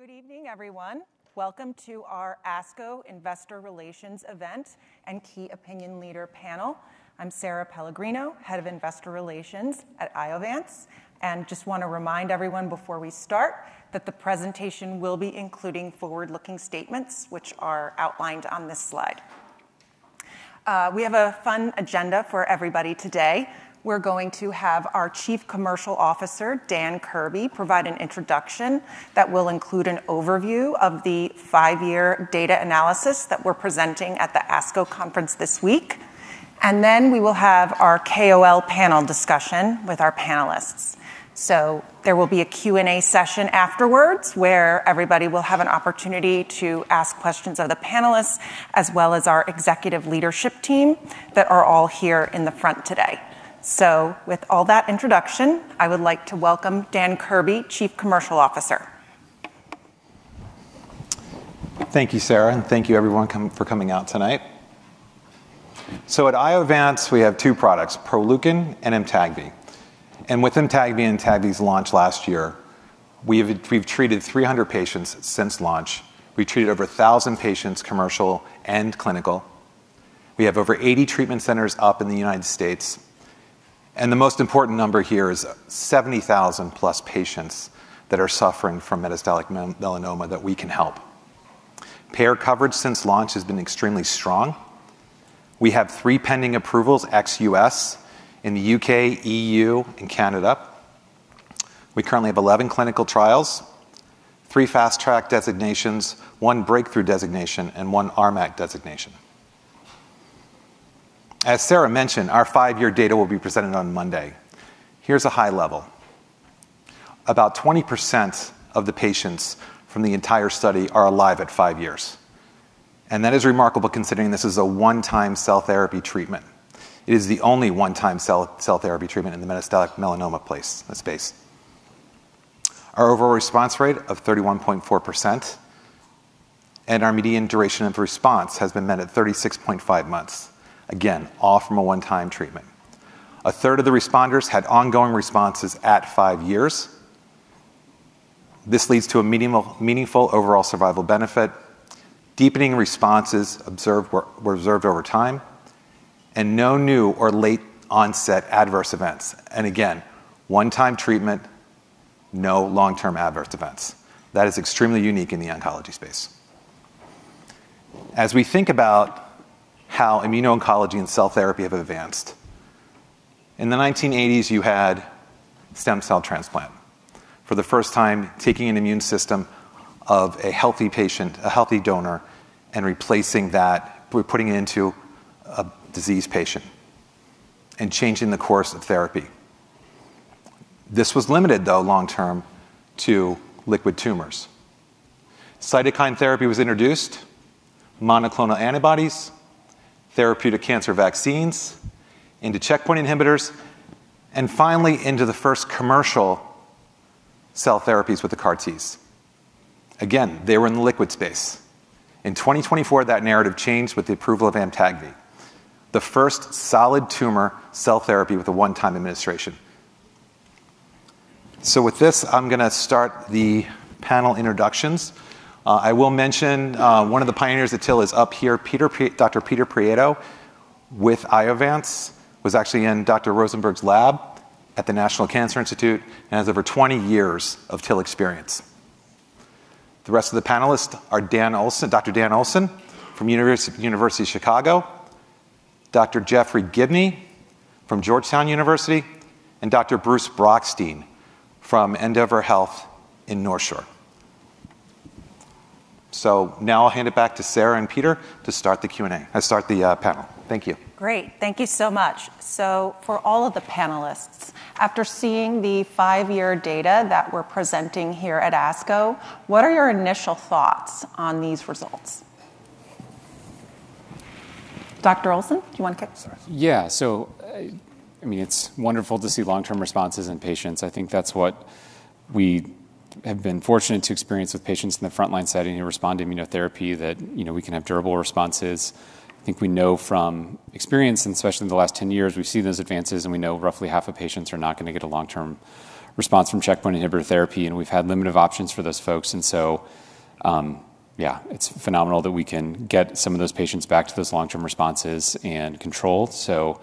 Good evening, everyone. Welcome to our ASCO Investor Relations event and key opinion leader panel. I'm Sara Pellegrino, Head of Investor Relations at Iovance, and just want to remind everyone before we start that the presentation will be including forward-looking statements which are outlined on this slide. We have a fun agenda for everybody today. We're going to have our Chief Commercial Officer, Dan Kirby, provide an introduction that will include an overview of the five-year data analysis that we're presenting at the ASCO conference this week. And then we will have our KOL panel discussion with our panelists. So there will be a Q&A session afterwards, where everybody will have an opportunity to ask questions of the panelists, as well as our executive leadership team that are all here in the front today. So with all that introduction, I would like to welcome Dan Kirby, Chief Commercial Officer. Thank you, Sarah, and thank you everyone for coming out tonight. So at Iovance, we have two products, Proleukin and Amtagvi. And with Amtagvi and Amtagvi's launch last year, we've treated 300 patients since launch. We treated over 1,000 patients, commercial and clinical. We have over 80 treatment centers up in the United States, and the most important number here is 70,000+ patients that are suffering from metastatic melanoma that we can help. Payer coverage since launch has been extremely strong. We have 3 pending approvals, ex-US, in the U.K., EU, and Canada. We currently have 11 clinical trials, 3 Fast Track designations, 1 Breakthrough Designation, and 1 RMAT designation. As Sarah mentioned, our 5-year data will be presented on Monday. Here's a high level. About 20% of the patients from the entire study are alive at 5 years, and that is remarkable, considering this is a one-time cell therapy treatment. It is the only one-time cell therapy treatment in the metastatic melanoma space. Our overall response rate of 31.4%, and our median duration of response has been met at 36.5 months. Again, all from a one-time treatment. A third of the responders had ongoing responses at 5 years. This leads to a meaningful overall survival benefit. Deepening responses observed were observed over time, and no new or late-onset adverse events. And again, one-time treatment, no long-term adverse events. That is extremely unique in the oncology space. As we think about how immuno-oncology and cell therapy have advanced, in the 1980s, you had stem cell transplant. For the first time, taking an immune system of a healthy patient, a healthy donor, and replacing that—putting it into a diseased patient and changing the course of therapy. This was limited, though, long term, to liquid tumors. Cytokine therapy was introduced, monoclonal antibodies, therapeutic cancer vaccines into checkpoint inhibitors, and finally into the first commercial cell therapies with the CAR-Ts. Again, they were in the liquid space. In 2024, that narrative changed with the approval of Amtagvi, the first solid tumor cell therapy with a one-time administration. So with this, I'm going to start the panel introductions. I will mention, one of the pioneers of TIL is up here, Dr. Peter Prieto, with Iovance, was actually in Dr. Rosenberg's lab at the National Cancer Institute and has over 20 years of TIL experience. The rest of the panelists are Dan Olson, Dr. Dan Olson from University of Chicago, Dr. Geoffrey Gibney from Georgetown University, and Dr. Bruce Brockstein from Endeavor Health in North Shore. So now I'll hand it back to Sarah and Peter to start the Q&A, start the panel. Thank you. Great. Thank you so much. So for all of the panelists, after seeing the five-year data that we're presenting here at ASCO, what are your initial thoughts on these results? Dr. Olson, do you want to go? Sorry. Yeah. So, I mean, it's wonderful to see long-term responses in patients. I think that's what we have been fortunate to experience with patients in the frontline setting who respond to immunotherapy that, you know, we can have durable responses. I think we know from experience, and especially in the last 10 years, we've seen those advances, and we know roughly half of patients are not going to get a long-term response from checkpoint inhibitor therapy, and we've had limited options for those folks. And so, yeah, it's phenomenal that we can get some of those patients back to those long-term responses and controlled. So,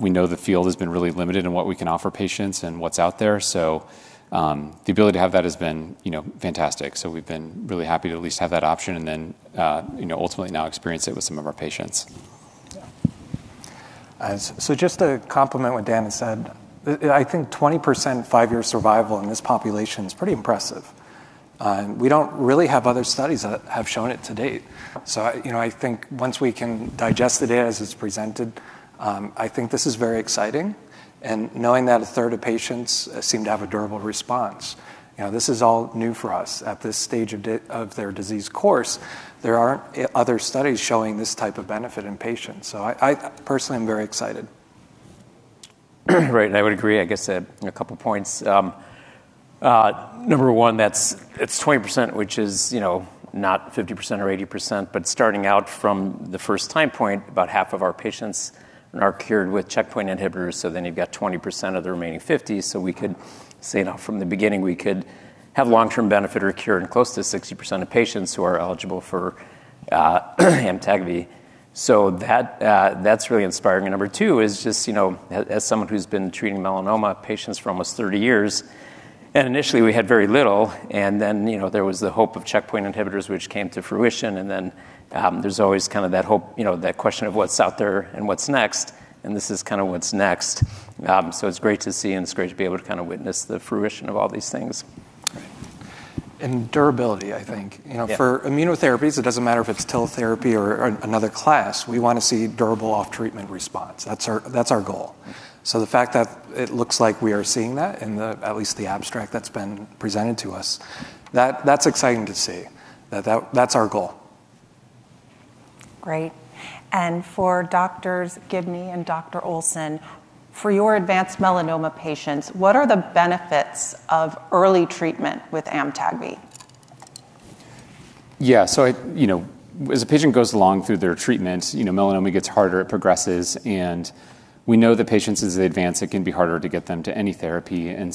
we know the field has been really limited in what we can offer patients and what's out there, so, the ability to have that has been, you know, fantastic. So we've been really happy to at least have that option and then, you know, ultimately now experience it with some of our patients. Yeah. So just to complement what Dan has said, I think 20% five-year survival in this population is pretty impressive. And we don't really have other studies that have shown it to date. So, you know, I think once we can digest the data as it's presented, I think this is very exciting, and knowing that a third of patients seem to have a durable response, you know, this is all new for us at this stage of their disease course. There aren't other studies showing this type of benefit in patients, so I personally am very excited. Right, and I would agree, I guess, a couple of points. Number one, that's. It's 20%, which is, you know, not 50% or 80%, but starting out from the first time point, about half of our patients are cured with checkpoint inhibitors, so then you've got 20% of the remaining 50. So we could say that from the beginning, we could have long-term benefit or cure in close to 60% of patients who are eligible for Amtagvi.... so that, that's really inspiring. Number two is just, you know, as someone who's been treating melanoma patients for almost 30 years, and initially we had very little, and then, you know, there was the hope of checkpoint inhibitors, which came to fruition, and then, there's always kind of that hope, you know, that question of what's out there and what's next, and this is kind of what's next. So it's great to see, and it's great to be able to kind of witness the fruition of all these things. Durability, I think. Yeah. You know, for immunotherapies, it doesn't matter if it's TIL therapy or, or another class, we want to see durable off-treatment response. That's our, that's our goal. So the fact that it looks like we are seeing that in the, at least the abstract that's been presented to us, that, that's exciting to see. That, that's our goal. Great. And for Doctors Gibney and Dr. Olson, for your advanced melanoma patients, what are the benefits of early treatment with Amtagvi? Yeah. You know, as a patient goes along through their treatment, you know, melanoma gets harder, it progresses, and we know the patients, as they advance, it can be harder to get them to any therapy. And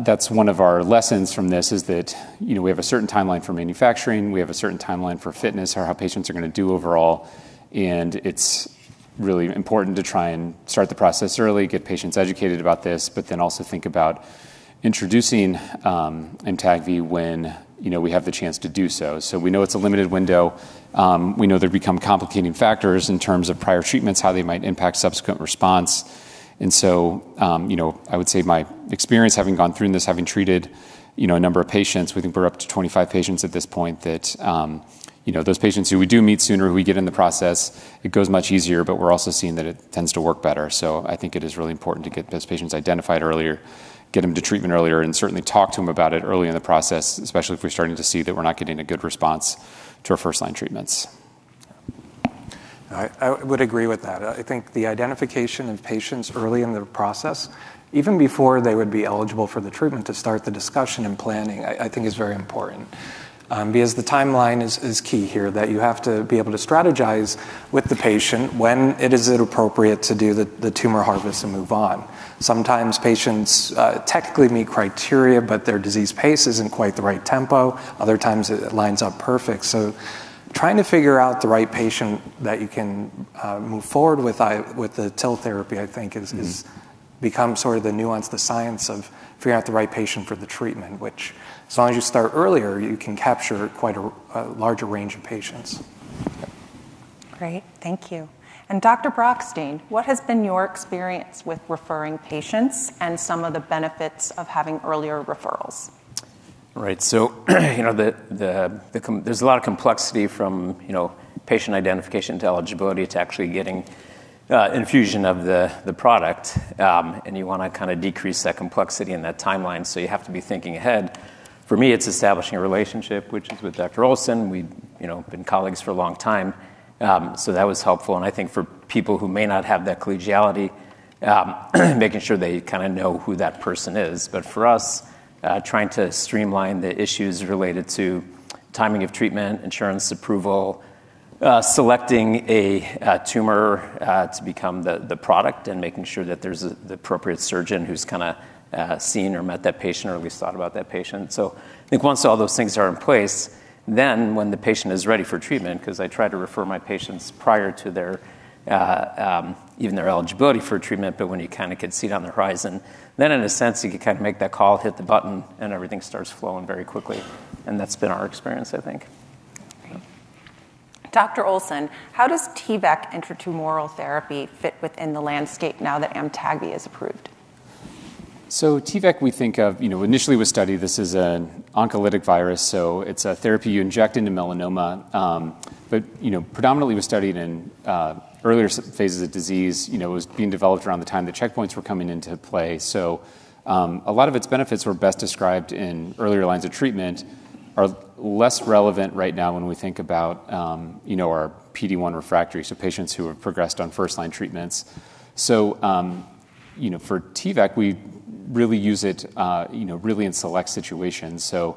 that's one of our lessons from this, is that, you know, we have a certain timeline for manufacturing, we have a certain timeline for fitness or how patients are going to do overall, and it's really important to try and start the process early, get patients educated about this, but then also think about introducing Amtagvi when, you know, we have the chance to do so. So we know it's a limited window. We know there become complicating factors in terms of prior treatments, how they might impact subsequent response. So, you know, I would say my experience having gone through this, having treated, you know, a number of patients, we think we're up to 25 patients at this point, that, you know, those patients who we do meet sooner, who we get in the process, it goes much easier, but we're also seeing that it tends to work better. So I think it is really important to get those patients identified earlier, get them to treatment earlier, and certainly talk to them about it early in the process, especially if we're starting to see that we're not getting a good response to our first-line treatments. I, I would agree with that. I think the identification of patients early in the process, even before they would be eligible for the treatment, to start the discussion and planning, I, I think is very important. Because the timeline is, is key here, that you have to be able to strategize with the patient when it is appropriate to do the, the tumor harvest and move on. Sometimes patients technically meet criteria, but their disease pace isn't quite the right tempo. Other times, it lines up perfect. So trying to figure out the right patient that you can move forward with, I... with the TIL therapy, I think is- Mm-hmm... become sort of the nuance, the science of figuring out the right patient for the treatment, which as long as you start earlier, you can capture quite a larger range of patients. Great. Thank you. And Dr. Brockstein, what has been your experience with referring patients and some of the benefits of having earlier referrals? Right. So, you know, the complexity from, you know, patient identification to eligibility to actually getting infusion of the product, and you want to kind of decrease that complexity and that timeline, so you have to be thinking ahead. For me, it's establishing a relationship, which is with Dr. Olson. We've, you know, been colleagues for a long time, so that was helpful. And I think for people who may not have that collegiality, making sure they kinda know who that person is. But for us, trying to streamline the issues related to timing of treatment, insurance approval, selecting a tumor to become the product, and making sure that there's the appropriate surgeon who's kinda seen or met that patient, or at least thought about that patient. So I think once all those things are in place, then when the patient is ready for treatment, 'cause I try to refer my patients prior to their even their eligibility for treatment, but when you kinda can see it on the horizon, then in a sense, you can kind of make that call, hit the button, and everything starts flowing very quickly. And that's been our experience, I think. Great. Dr. Olson, how does T-VEC intratumoral therapy fit within the landscape now that Amtagvi is approved? So T-VEC, we think of, you know, initially was studied, this is an oncolytic virus, so it's a therapy you inject into melanoma. But, you know, predominantly was studied in earlier phases of disease. You know, it was being developed around the time the checkpoints were coming into play. So, a lot of its benefits were best described in earlier lines of treatment, are less relevant right now when we think about, you know, our PD-1 refractory, so patients who have progressed on first-line treatments. So, you know, for T-VEC, we really use it, you know, really in select situations. So,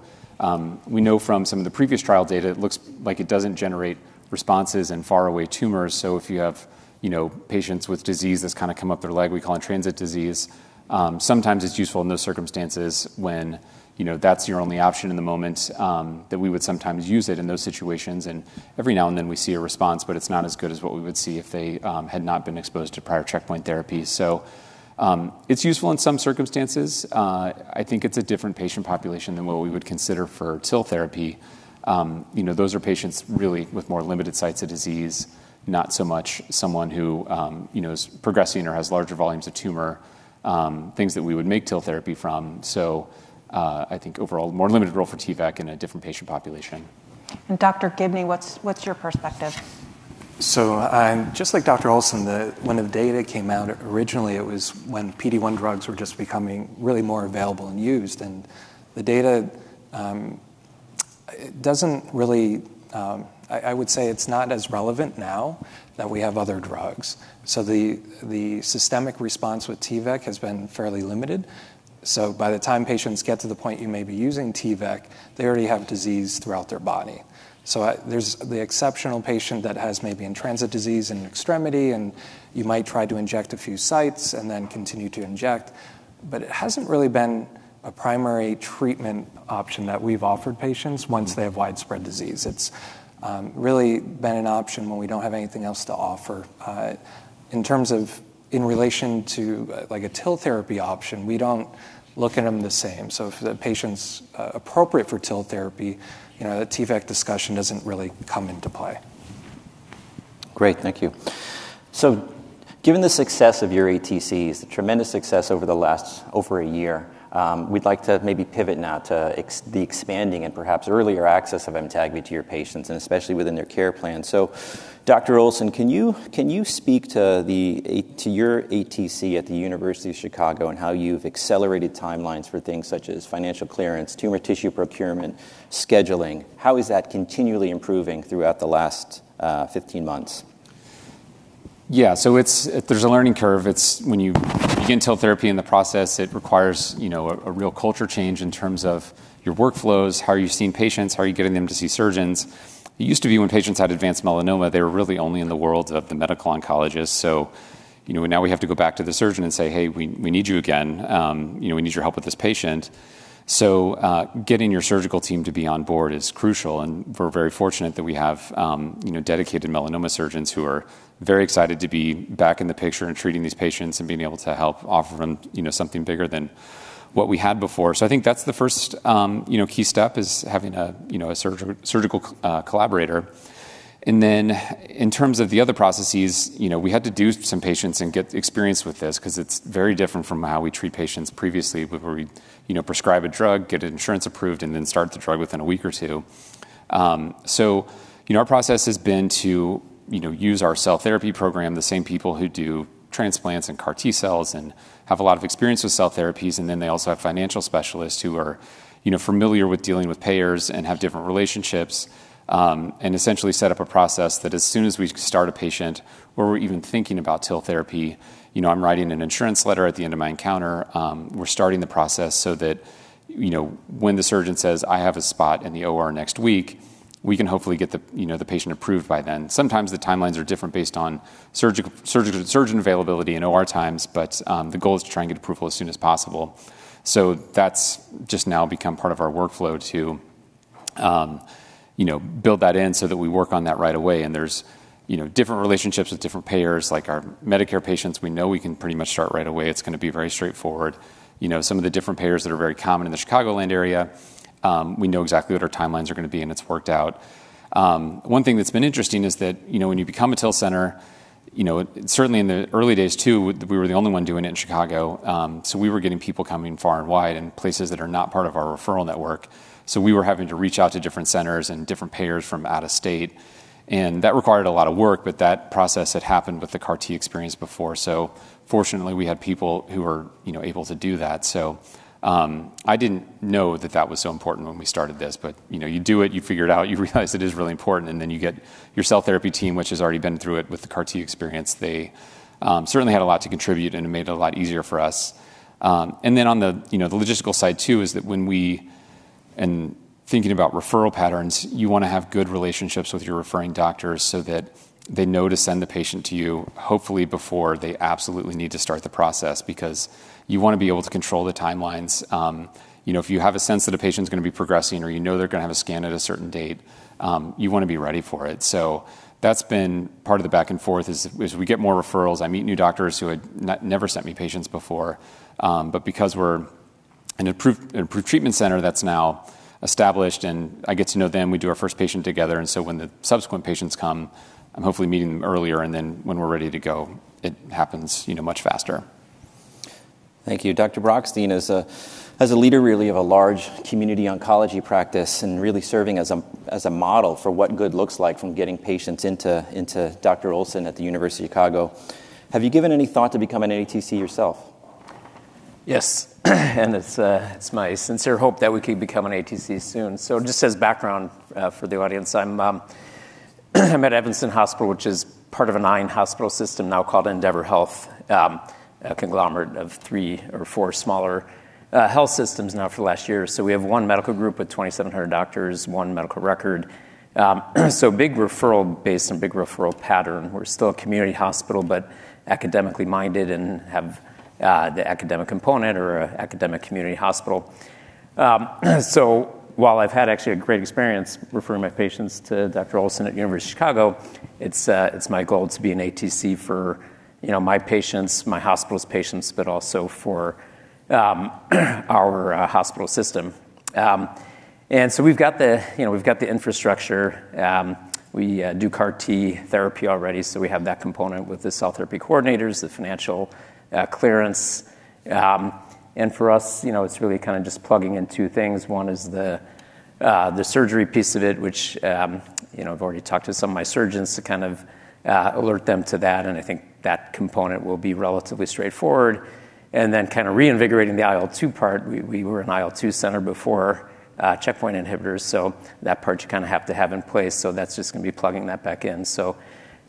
we know from some of the previous trial data, it looks like it doesn't generate responses in faraway tumors. So if you have, you know, patients with disease that's kind of come up their leg, we call it in-transit disease, sometimes it's useful in those circumstances when, you know, that's your only option in the moment, that we would sometimes use it in those situations. And every now and then we see a response, but it's not as good as what we would see if they had not been exposed to prior checkpoint therapy. So, it's useful in some circumstances. I think it's a different patient population than what we would consider for TIL therapy. You know, those are patients really with more limited sites of disease, not so much someone who, you know, is progressing or has larger volumes of tumor, things that we would make TIL therapy from. I think overall, more limited role for T-VEC in a different patient population. Dr. Gibney, what's your perspective? So, just like Dr. Olson, when the data came out, originally, it was when PD-1 drugs were just becoming really more available and used, and the data, it doesn't really... I would say it's not as relevant now that we have other drugs. So the systemic response with T-VEC has been fairly limited. So by the time patients get to the point you may be using T-VEC, they already have disease throughout their body. So, there's the exceptional patient that has maybe in-transit disease in an extremity, and you might try to inject a few sites and then continue to inject, but it hasn't really been-... a primary treatment option that we've offered patients once they have widespread disease. It's really been an option when we don't have anything else to offer. In terms of, in relation to, like, a TIL therapy option, we don't look at them the same. So if the patient's appropriate for TIL therapy, you know, the T-VEC discussion doesn't really come into play. Great, thank you. So given the success of your ATCs, the tremendous success over the last, over a year, we'd like to maybe pivot now to the expanding and perhaps earlier access of Amtagvi to your patients, and especially within their care plan. So Dr. Olson, can you, can you speak to the, to your ATC at the University of Chicago and how you've accelerated timelines for things such as financial clearance, tumor tissue procurement, scheduling? How is that continually improving throughout the last 15 months? Yeah. So it's, there's a learning curve. When you begin TIL therapy in the process, it requires, you know, a real culture change in terms of your workflows, how are you seeing patients, how are you getting them to see surgeons. It used to be when patients had advanced melanoma, they were really only in the world of the medical oncologist. So, you know, now we have to go back to the surgeon and say, "Hey, we need you again. You know, we need your help with this patient." So, getting your surgical team to be on board is crucial, and we're very fortunate that we have, you know, dedicated melanoma surgeons who are very excited to be back in the picture and treating these patients and being able to help offer them, you know, something bigger than what we had before. So I think that's the first, you know, key step, is having a, you know, a surgical collaborator. And then in terms of the other processes, you know, we had to do some patients and get experience with this 'cause it's very different from how we treat patients previously, where we, you know, prescribe a drug, get insurance approved, and then start the drug within a week or two. So, you know, our process has been to, you know, use our cell therapy program, the same people who do transplants and CAR T cells and have a lot of experience with cell therapies, and then they also have financial specialists who are, you know, familiar with dealing with payers and have different relationships, and essentially set up a process that as soon as we start a patient, or we're even thinking about TIL therapy, you know, I'm writing an insurance letter at the end of my encounter, we're starting the process so that, you know, when the surgeon says, "I have a spot in the OR next week," we can hopefully get the, you know, the patient approved by then. Sometimes the timelines are different based on surgical surgeon availability and OR times, but the goal is to try and get approval as soon as possible. So that's just now become part of our workflow to, you know, build that in so that we work on that right away. And there's, you know, different relationships with different payers. Like our Medicare patients, we know we can pretty much start right away. It's gonna be very straightforward. You know, some of the different payers that are very common in the Chicagoland area, we know exactly what our timelines are gonna be, and it's worked out. One thing that's been interesting is that, you know, when you become a TIL center, you know, certainly in the early days, too, we were the only one doing it in Chicago, so we were getting people coming far and wide and places that are not part of our referral network. So we were having to reach out to different centers and different payers from out of state, and that required a lot of work, but that process had happened with the CAR T experience before. So fortunately, we had people who were, you know, able to do that. So, I didn't know that that was so important when we started this, but, you know, you do it, you figure it out, you realize it is really important, and then you get your cell therapy team, which has already been through it with the CAR T experience. They certainly had a lot to contribute, and it made it a lot easier for us. And then on the, you know, the logistical side, too, is that, and thinking about referral patterns, you wanna have good relationships with your referring doctors so that they know to send the patient to you, hopefully before they absolutely need to start the process, because you wanna be able to control the timelines. You know, if you have a sense that a patient's gonna be progressing or you know they're gonna have a scan at a certain date, you wanna be ready for it. So that's been part of the back and forth, is, as we get more referrals, I meet new doctors who had never sent me patients before, but because we're an approved treatment center that's now established and I get to know them, we do our first patient together, and so when the subsequent patients come, I'm hopefully meeting them earlier, and then when we're ready to go, it happens, you know, much faster. Thank you. Dr. Brockstein, as a leader, really, of a large community oncology practice and really serving as a model for what good looks like from getting patients into Dr. Olson at the University of Chicago, have you given any thought to becoming an ATC yourself? Yes, and it's my sincere hope that we could become an ATC soon. So just as background, for the audience, I'm at Evanston Hospital, which is part of a nine-hospital system now called Endeavor Health, a conglomerate of three or four smaller health systems now for the last year. So we have one medical group with 2,700 doctors, one medical record. So big referral base and big referral pattern. We're still a community hospital, but academically minded and have the academic component or an academic community hospital. So while I've had actually a great experience referring my patients to Dr. Olson at the University of Chicago, it's my goal to be an ATC for, you know, my patients, my hospital's patients, but also for our hospital system. And so we've got the, you know, we've got the infrastructure. We do CAR-T therapy already, so we have that component with the cell therapy coordinators, the financial clearance. And for us, you know, it's really kind of just plugging in two things. One is the surgery piece of it, which, you know, I've already talked to some of my surgeons to kind of alert them to that, and I think that component will be relatively straightforward. And then kind of reinvigorating the IL-2 part. We were an IL-2 center before checkpoint inhibitors, so that part you kind of have to have in place, so that's just gonna be plugging that back in. So,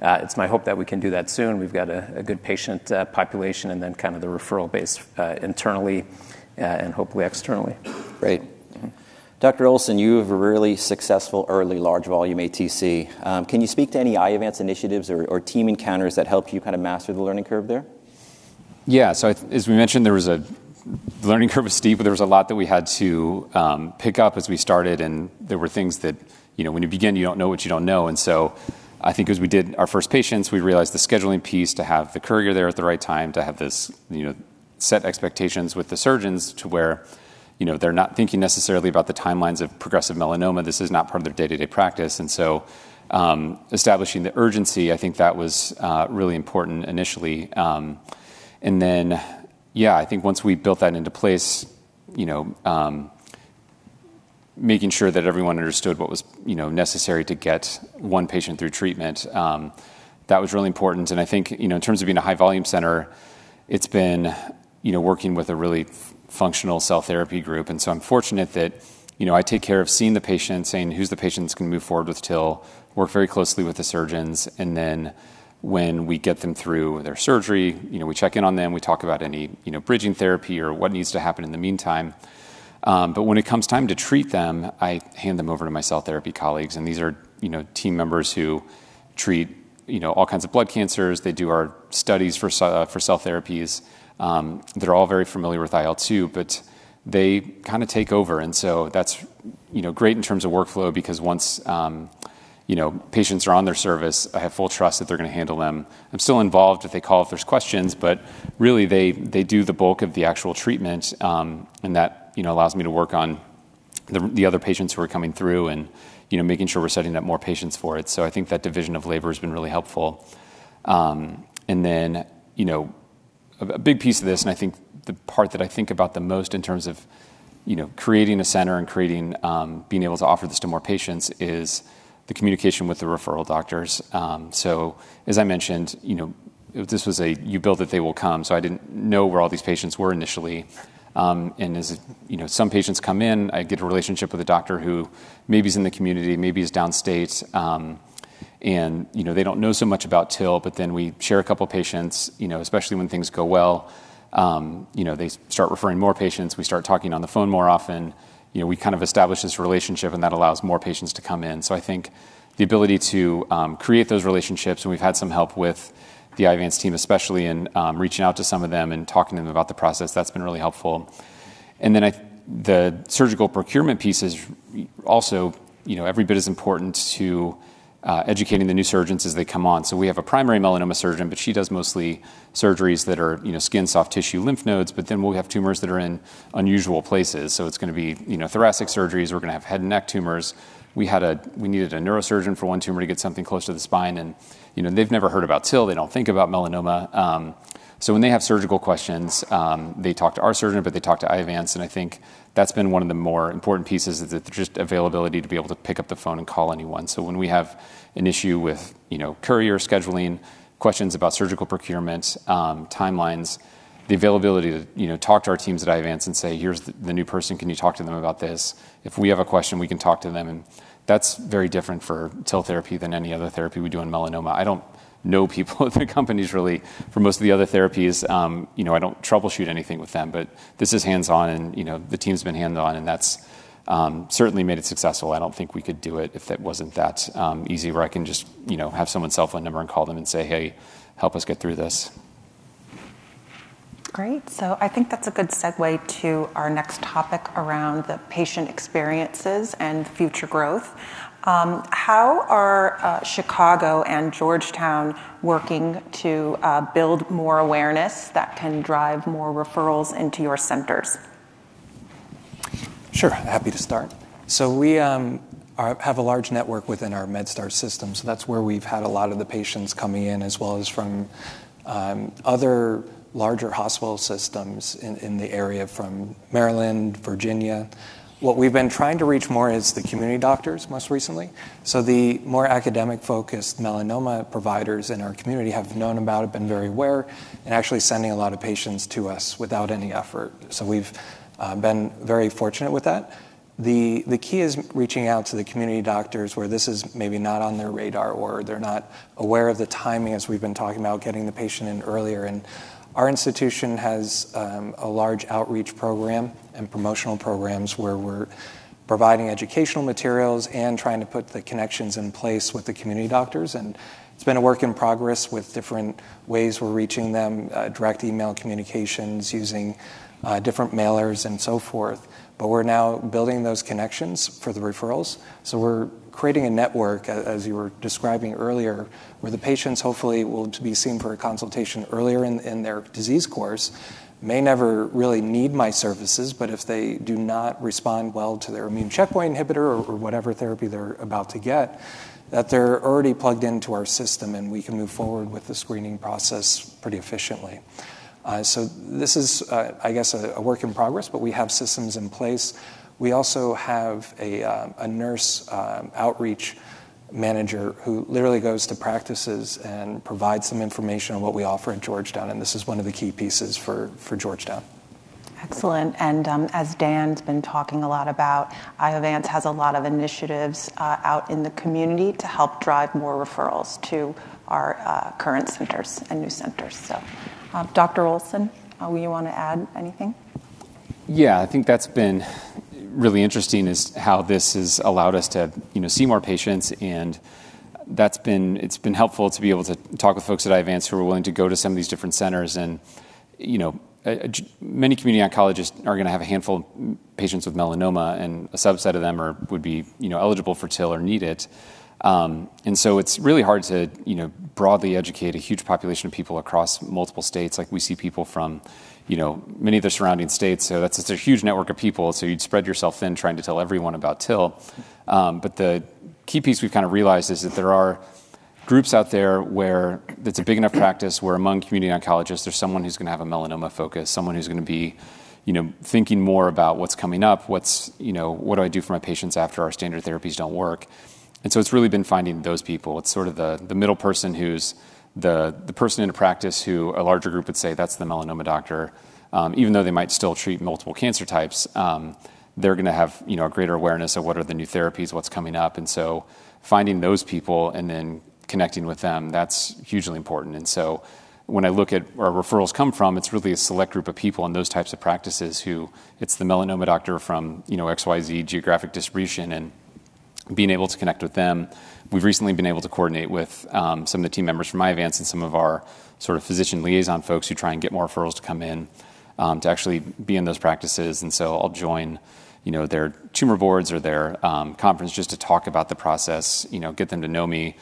it's my hope that we can do that soon. We've got a good patient population and then kind of the referral base internally and hopefully externally. Great. ...Dr. Olson, you have a really successful early large volume ATC. Can you speak to any Iovance initiatives or, or team encounters that helped you kind of master the learning curve there? Yeah. So as we mentioned, the learning curve was steep, but there was a lot that we had to pick up as we started, and there were things that, you know, when you begin, you don't know what you don't know. And so I think as we did our first patients, we realized the scheduling piece to have the courier there at the right time, to have this, you know, set expectations with the surgeons to where, you know, they're not thinking necessarily about the timelines of progressive melanoma. This is not part of their day-to-day practice, and so establishing the urgency, I think that was really important initially. And then, yeah, I think once we built that into place, you know, making sure that everyone understood what was, you know, necessary to get one patient through treatment, that was really important. And I think, you know, in terms of being a high-volume center, it's been, you know, working with a really functional cell therapy group. And so I'm fortunate that, you know, I take care of seeing the patient, saying, "Who's the patient that's going to move forward with TIL?" Work very closely with the surgeons, and then when we get them through their surgery, you know, we check in on them, we talk about any, you know, bridging therapy or what needs to happen in the meantime. But when it comes time to treat them, I hand them over to my cell therapy colleagues, and these are, you know, team members who treat, you know, all kinds of blood cancers. They do our studies for cell therapies. They're all very familiar with IL-2, but they kind of take over. And so that's, you know, great in terms of workflow, because once, you know, patients are on their service, I have full trust that they're going to handle them. I'm still involved if they call, if there's questions, but really, they, they do the bulk of the actual treatment, and that, you know, allows me to work on the, the other patients who are coming through and, you know, making sure we're setting up more patients for it. So I think that division of labor has been really helpful. And then, you know, a big piece of this, and I think the part that I think about the most in terms of, you know, creating a center and creating, being able to offer this to more patients, is the communication with the referral doctors. So as I mentioned, you know, this was a you build it, they will come. So I didn't know where all these patients were initially. And as, you know, some patients come in, I get a relationship with a doctor who maybe is in the community, maybe is downstate, and, you know, they don't know so much about TIL, but then we share a couple of patients, you know, especially when things go well, you know, they start referring more patients. We start talking on the phone more often. You know, we kind of establish this relationship, and that allows more patients to come in. So I think the ability to create those relationships, and we've had some help with the Iovance team, especially in reaching out to some of them and talking to them about the process, that's been really helpful. And then the surgical procurement piece is also, you know, every bit as important to educating the new surgeons as they come on. So we have a primary melanoma surgeon, but she does mostly surgeries that are, you know, skin, soft tissue, lymph nodes, but then we have tumors that are in unusual places. So it's going to be, you know, thoracic surgeries. We're going to have head and neck tumors. We had a... We needed a neurosurgeon for one tumor to get something close to the spine, and, you know, they've never heard about TIL. They don't think about melanoma. So when they have surgical questions, they talk to our surgeon, but they talk to Iovance, and I think that's been one of the more important pieces, is the just availability to be able to pick up the phone and call anyone. So when we have an issue with, you know, courier scheduling, questions about surgical procurement, timelines, the availability to, you know, talk to our teams at Iovance and say, "Here's the, the new person. Can you talk to them about this?" If we have a question, we can talk to them, and that's very different for TIL therapy than any other therapy we do in melanoma. I don't know people at the companies, really, for most of the other therapies. You know, I don't troubleshoot anything with them, but this is hands-on and, you know, the team's been hands-on, and that's certainly made it successful. I don't think we could do it if it wasn't that easy, where I can just, you know, have someone's cell phone number and call them and say, "Hey, help us get through this. Great. So I think that's a good segue to our next topic around the patient experiences and future growth. How are Chicago and Georgetown working to build more awareness that can drive more referrals into your centers? Sure, happy to start. So we have a large network within our MedStar system, so that's where we've had a lot of the patients coming in, as well as from other larger hospital systems in the area, from Maryland, Virginia. What we've been trying to reach more is the community doctors, most recently. So the more academic-focused melanoma providers in our community have known about it, been very aware, and actually sending a lot of patients to us without any effort. So we've been very fortunate with that. The key is reaching out to the community doctors, where this is maybe not on their radar or they're not aware of the timing, as we've been talking about getting the patient in earlier. Our institution has a large outreach program and promotional programs where we're providing educational materials and trying to put the connections in place with the community doctors, and it's been a work in progress with different ways we're reaching them, direct email communications, using different mailers and so forth. But we're now building those connections for the referrals, so we're creating a network as you were describing earlier, where the patients hopefully will be seen for a consultation earlier in their disease course, may never really need my services, but if they do not respond well to their immune checkpoint inhibitor or whatever therapy they're about to get, that they're already plugged into our system, and we can move forward with the screening process pretty efficiently. So this is, I guess, a work in progress, but we have systems in place. We also have a nurse outreach manager who literally goes to practices and provides some information on what we offer at Georgetown, and this is one of the key pieces for Georgetown. Excellent. And, as Dan's been talking a lot about, Iovance has a lot of initiatives, out in the community to help drive more referrals to our, current centers and new centers. So, Dr. Olson, will you want to add anything?... Yeah, I think that's been really interesting, is how this has allowed us to, you know, see more patients, and that's been. It's been helpful to be able to talk with folks at Iovance who are willing to go to some of these different centers. And, you know, many community oncologists are going to have a handful of patients with melanoma, and a subset of them are, would be, you know, eligible for TIL or need it. And so it's really hard to, you know, broadly educate a huge population of people across multiple states. Like, we see people from, you know, many of the surrounding states, so that's, it's a huge network of people. So you'd spread yourself thin trying to tell everyone about TIL. But the key piece we've kind of realized is that there are groups out there where it's a big enough practice, where among community oncologists, there's someone who's going to have a melanoma focus, someone who's going to be, you know, thinking more about what's coming up, what's... You know, what do I do for my patients after our standard therapies don't work? And so it's really been finding those people. It's sort of the middle person who's the person in a practice who a larger group would say, "That's the melanoma doctor." Even though they might still treat multiple cancer types, they're going to have, you know, a greater awareness of what are the new therapies, what's coming up, and so finding those people and then connecting with them, that's hugely important. When I look at where our referrals come from, it's really a select group of people in those types of practices who it's the melanoma doctor from, you know, XYZ geographic distribution, and being able to connect with them. We've recently been able to coordinate with some of the team members from Iovance and some of our sort of physician liaison folks who try and get more referrals to come in to actually be in those practices. And so I'll join, you know, their tumor boards or their conference just to talk about the process, you know, get them to know me.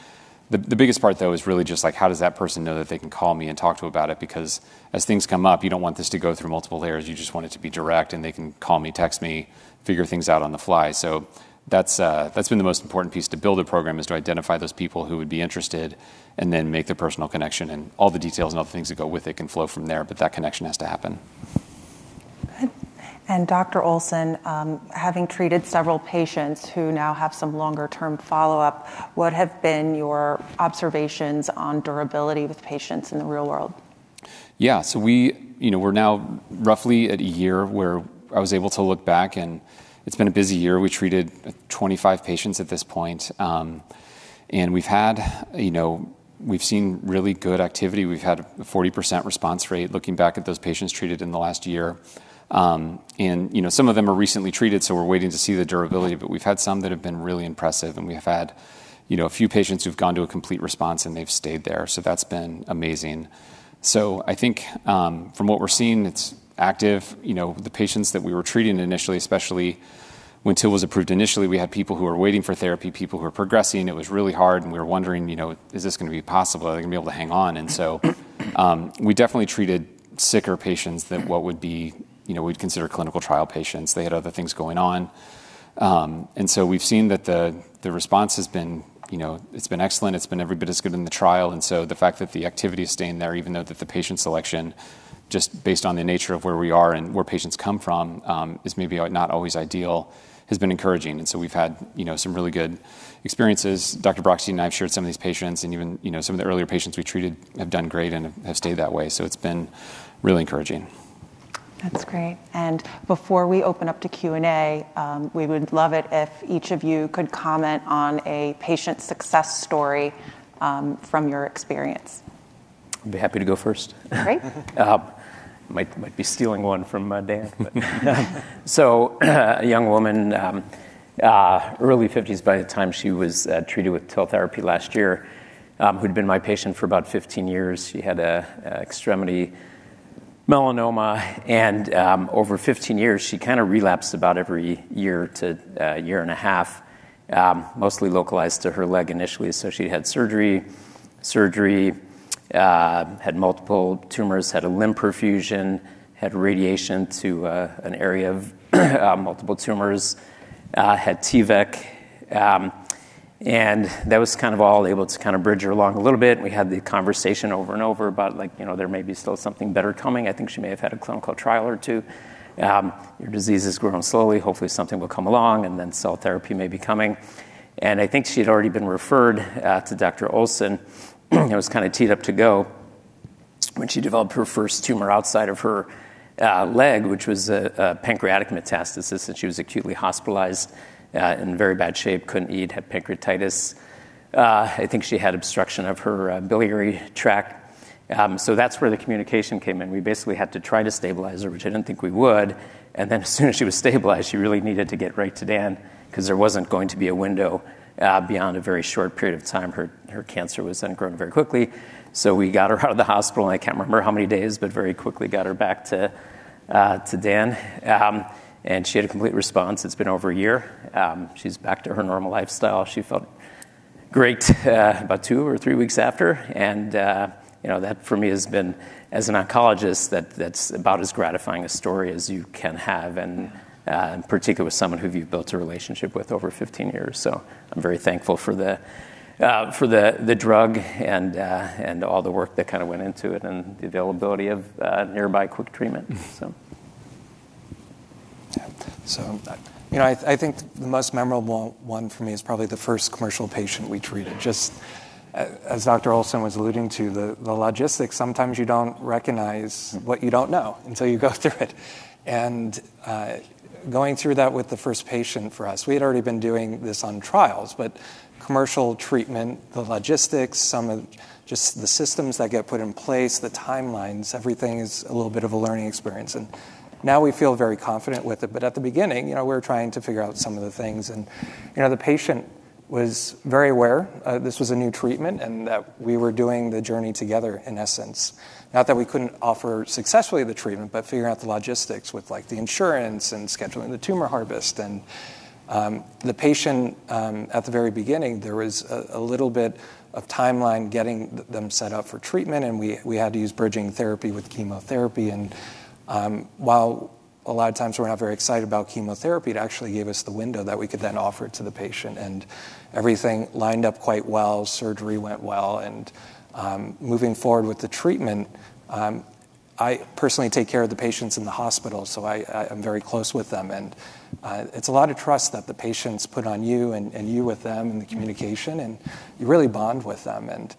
The biggest part, though, is really just like: how does that person know that they can call me and talk to about it? Because as things come up, you don't want this to go through multiple layers. You just want it to be direct, and they can call me, text me, figure things out on the fly. So that's, that's been the most important piece, to build a program, is to identify those people who would be interested and then make the personal connection, and all the details and other things that go with it can flow from there, but that connection has to happen. Good. Dr. Olson, having treated several patients who now have some longer-term follow-up, what have been your observations on durability with patients in the real world? Yeah. So we, you know, we're now roughly at a year where I was able to look back, and it's been a busy year. We treated 25 patients at this point, and we've had... You know, we've seen really good activity. We've had a 40% response rate, looking back at those patients treated in the last year. And, you know, some of them are recently treated, so we're waiting to see the durability, but we've had some that have been really impressive, and we have had, you know, a few patients who've gone to a complete response, and they've stayed there. So that's been amazing. So I think, from what we're seeing, it's active. You know, the patients that we were treating initially, especially when TIL was approved initially, we had people who were waiting for therapy, people who were progressing. It was really hard, and we were wondering, you know: Is this going to be possible? Are they going to be able to hang on? And so, we definitely treated sicker patients than what would be... You know, we'd consider clinical trial patients. They had other things going on. And so we've seen that the response has been, you know, it's been excellent. It's been every bit as good in the trial, and so the fact that the activity is staying there, even though the patient selection, just based on the nature of where we are and where patients come from, is maybe not always ideal, has been encouraging, and so we've had, you know, some really good experiences. Dr. Brockstein and I have shared some of these patients, and even, you know, some of the earlier patients we treated have done great and have stayed that way. So it's been really encouraging. That's great. Before we open up to Q&A, we would love it if each of you could comment on a patient success story, from your experience. I'd be happy to go first. Great. Might be stealing one from Dan, but— So a young woman, early fifties by the time she was treated with TIL therapy last year, who'd been my patient for about 15 years. She had a extremity melanoma, and over 15 years, she kind of relapsed about every year to a year and a half, mostly localized to her leg initially. So she had surgery, surgery, had multiple tumors, had a limb perfusion, had radiation to an area of multiple tumors, had T-VEC. And that was kind of all able to kind of bridge her along a little bit. We had the conversation over and over about, like, you know, there may be still something better coming. I think she may have had a clinical trial or two. Your disease has grown slowly. Hopefully, something will come along, and then cell therapy may be coming. And I think she had already been referred to Dr. Olson, and was kind of teed up to go when she developed her first tumor outside of her leg, which was a pancreatic metastasis, and she was acutely hospitalized in very bad shape, couldn't eat, had pancreatitis. I think she had obstruction of her biliary tract. So that's where the communication came in. We basically had to try to stabilize her, which I didn't think we would, and then as soon as she was stabilized, she really needed to get right to Dan because there wasn't going to be a window beyond a very short period of time. Her cancer was then growing very quickly. So we got her out of the hospital, and I can't remember how many days, but very quickly got her back to Dan. And she had a complete response. It's been over a year. She's back to her normal lifestyle. She felt great about two or three weeks after. And you know, that, for me, has been, as an oncologist, that's about as gratifying a story as you can have, and in particular, with someone who you've built a relationship with over 15 years. So I'm very thankful for the drug and all the work that kind of went into it and the availability of nearby quick treatment. So... Yeah. So, you know, I think the most memorable one for me is probably the first commercial patient we treated. Just as Dr. Olson was alluding to, the logistics, sometimes you don't recognize what you don't know until you go through it. And going through that with the first patient for us, we had already been doing this on trials, but commercial treatment, the logistics, some of just the systems that get put in place, the timelines, everything is a little bit of a learning experience, and now we feel very confident with it. But at the beginning, you know, we were trying to figure out some of the things, and, you know, the patient- ... was very aware, this was a new treatment, and that we were doing the journey together, in essence. Not that we couldn't offer successfully the treatment, but figuring out the logistics with, like, the insurance and scheduling the tumor harvest. The patient, at the very beginning, there was a little bit of timeline getting them set up for treatment, and we had to use bridging therapy with chemotherapy. While a lot of times we're not very excited about chemotherapy, it actually gave us the window that we could then offer it to the patient, and everything lined up quite well. Surgery went well, and moving forward with the treatment, I personally take care of the patients in the hospital, so I'm very close with them, and it's a lot of trust that the patients put on you and you with them- Mm - and the communication, and you really bond with them and,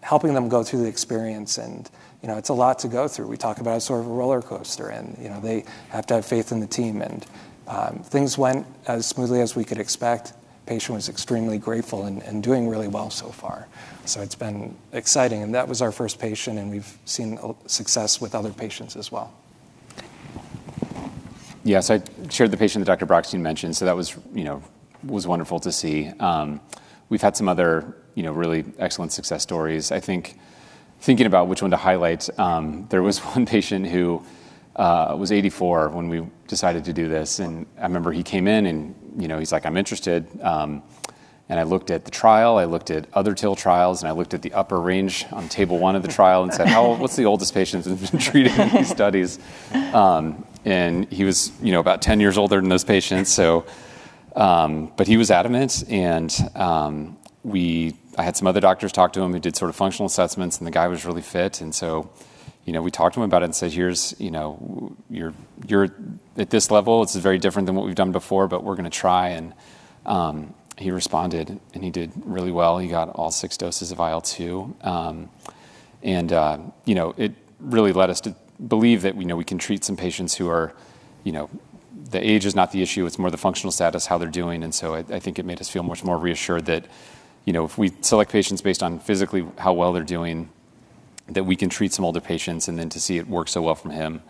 helping them go through the experience, and, you know, it's a lot to go through. We talk about a sort of a roller coaster, and, you know, they have to have faith in the team. And, things went as smoothly as we could expect. Patient was extremely grateful and, and doing really well so far. So it's been exciting, and that was our first patient, and we've seen a success with other patients as well. Yes, I shared the patient that Dr. Brockstein mentioned, so that was, you know, was wonderful to see. We've had some other, you know, really excellent success stories. I think thinking about which one to highlight, there was one patient who was 84 when we decided to do this, and I remember he came in and, you know, he's like: "I'm interested." And I looked at the trial, I looked at other TIL trials, and I looked at the upper range on table 1 of the trial and said: "How old-- What's the oldest patient that's been treated in these studies?" And he was, you know, about 10 years older than those patients, so... But he was adamant, and we-- I had some other doctors talk to him who did sort of functional assessments, and the guy was really fit. And so, you know, we talked to him about it and said: "Here's, you know, you're at this level. This is very different than what we've done before, but we're going to try." He responded, and he did really well. He got all 6 doses of IL-2. You know, it really led us to believe that we know we can treat some patients who are, you know... The age is not the issue, it's more the functional status, how they're doing. So I think it made us feel much more reassured that, you know, if we select patients based on physically how well they're doing, that we can treat some older patients, and then to see it work so well for him.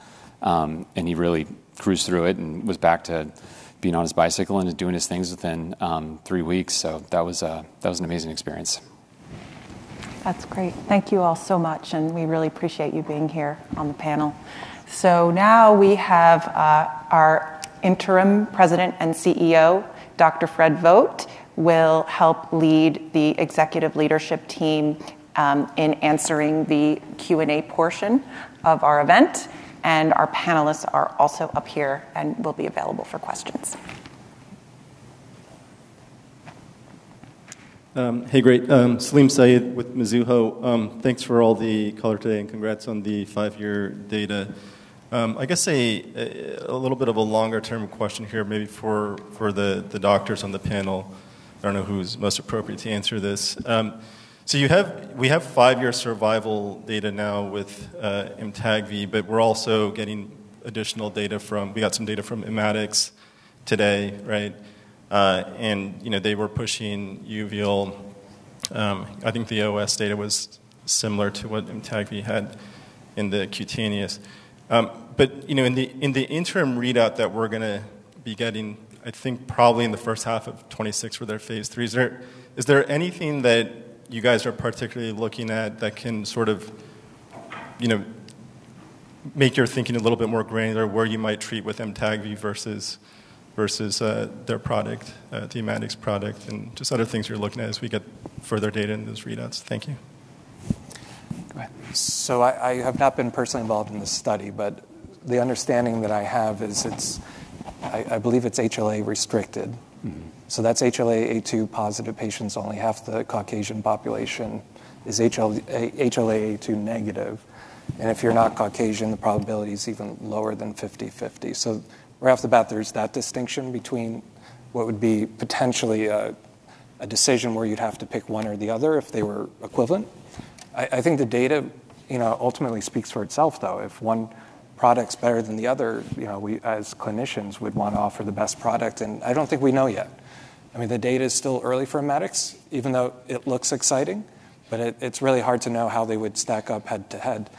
He really cruised through it and was back to being on his bicycle and doing his things within three weeks. So that was an amazing experience. That's great. Thank you all so much, and we really appreciate you being here on the panel. So now we have our Interim President and CEO, Dr. Fred Vogt, will help lead the executive leadership team in answering the Q&A portion of our event, and our panelists are also up here and will be available for questions. Hey, great. Salim Syed with Mizuho. Thanks for all the color today, and congrats on the five-year data. I guess a little bit of a longer-term question here, maybe for the doctors on the panel. I don't know who's most appropriate to answer this. So you have-- we have five-year survival data now with Amtagvi, but we're also getting additional data from... We got some data from Immatics today, right? And, you know, they were pushing uveal. I think the OS data was similar to what Amtagvi had in the cutaneous. But, you know, in the interim readout that we're going to be getting, I think probably in the first half of 2026 for their phase III, is there anything that you guys are particularly looking at that can sort of, you know, make your thinking a little bit more granular, where you might treat with Amtagvi versus their product, the Immatics product, and just other things you're looking at as we get further data in those readouts? Thank you. Go ahead. So, I have not been personally involved in this study, but the understanding that I have is it's... I believe it's HLA restricted. Mm-hmm. So that's HLA-A2 positive patients. Only half the Caucasian population is HLA-A2 negative, and if you're not Caucasian, the probability is even lower than 50/50. So right off the bat, there's that distinction between what would be potentially a decision where you'd have to pick one or the other if they were equivalent. I think the data, you know, ultimately speaks for itself, though. If one product's better than the other, you know, we, as clinicians, would want to offer the best product, and I don't think we know yet. I mean, the data is still early for Immatics, even though it looks exciting, but it's really hard to know how they would stack up head-to-head.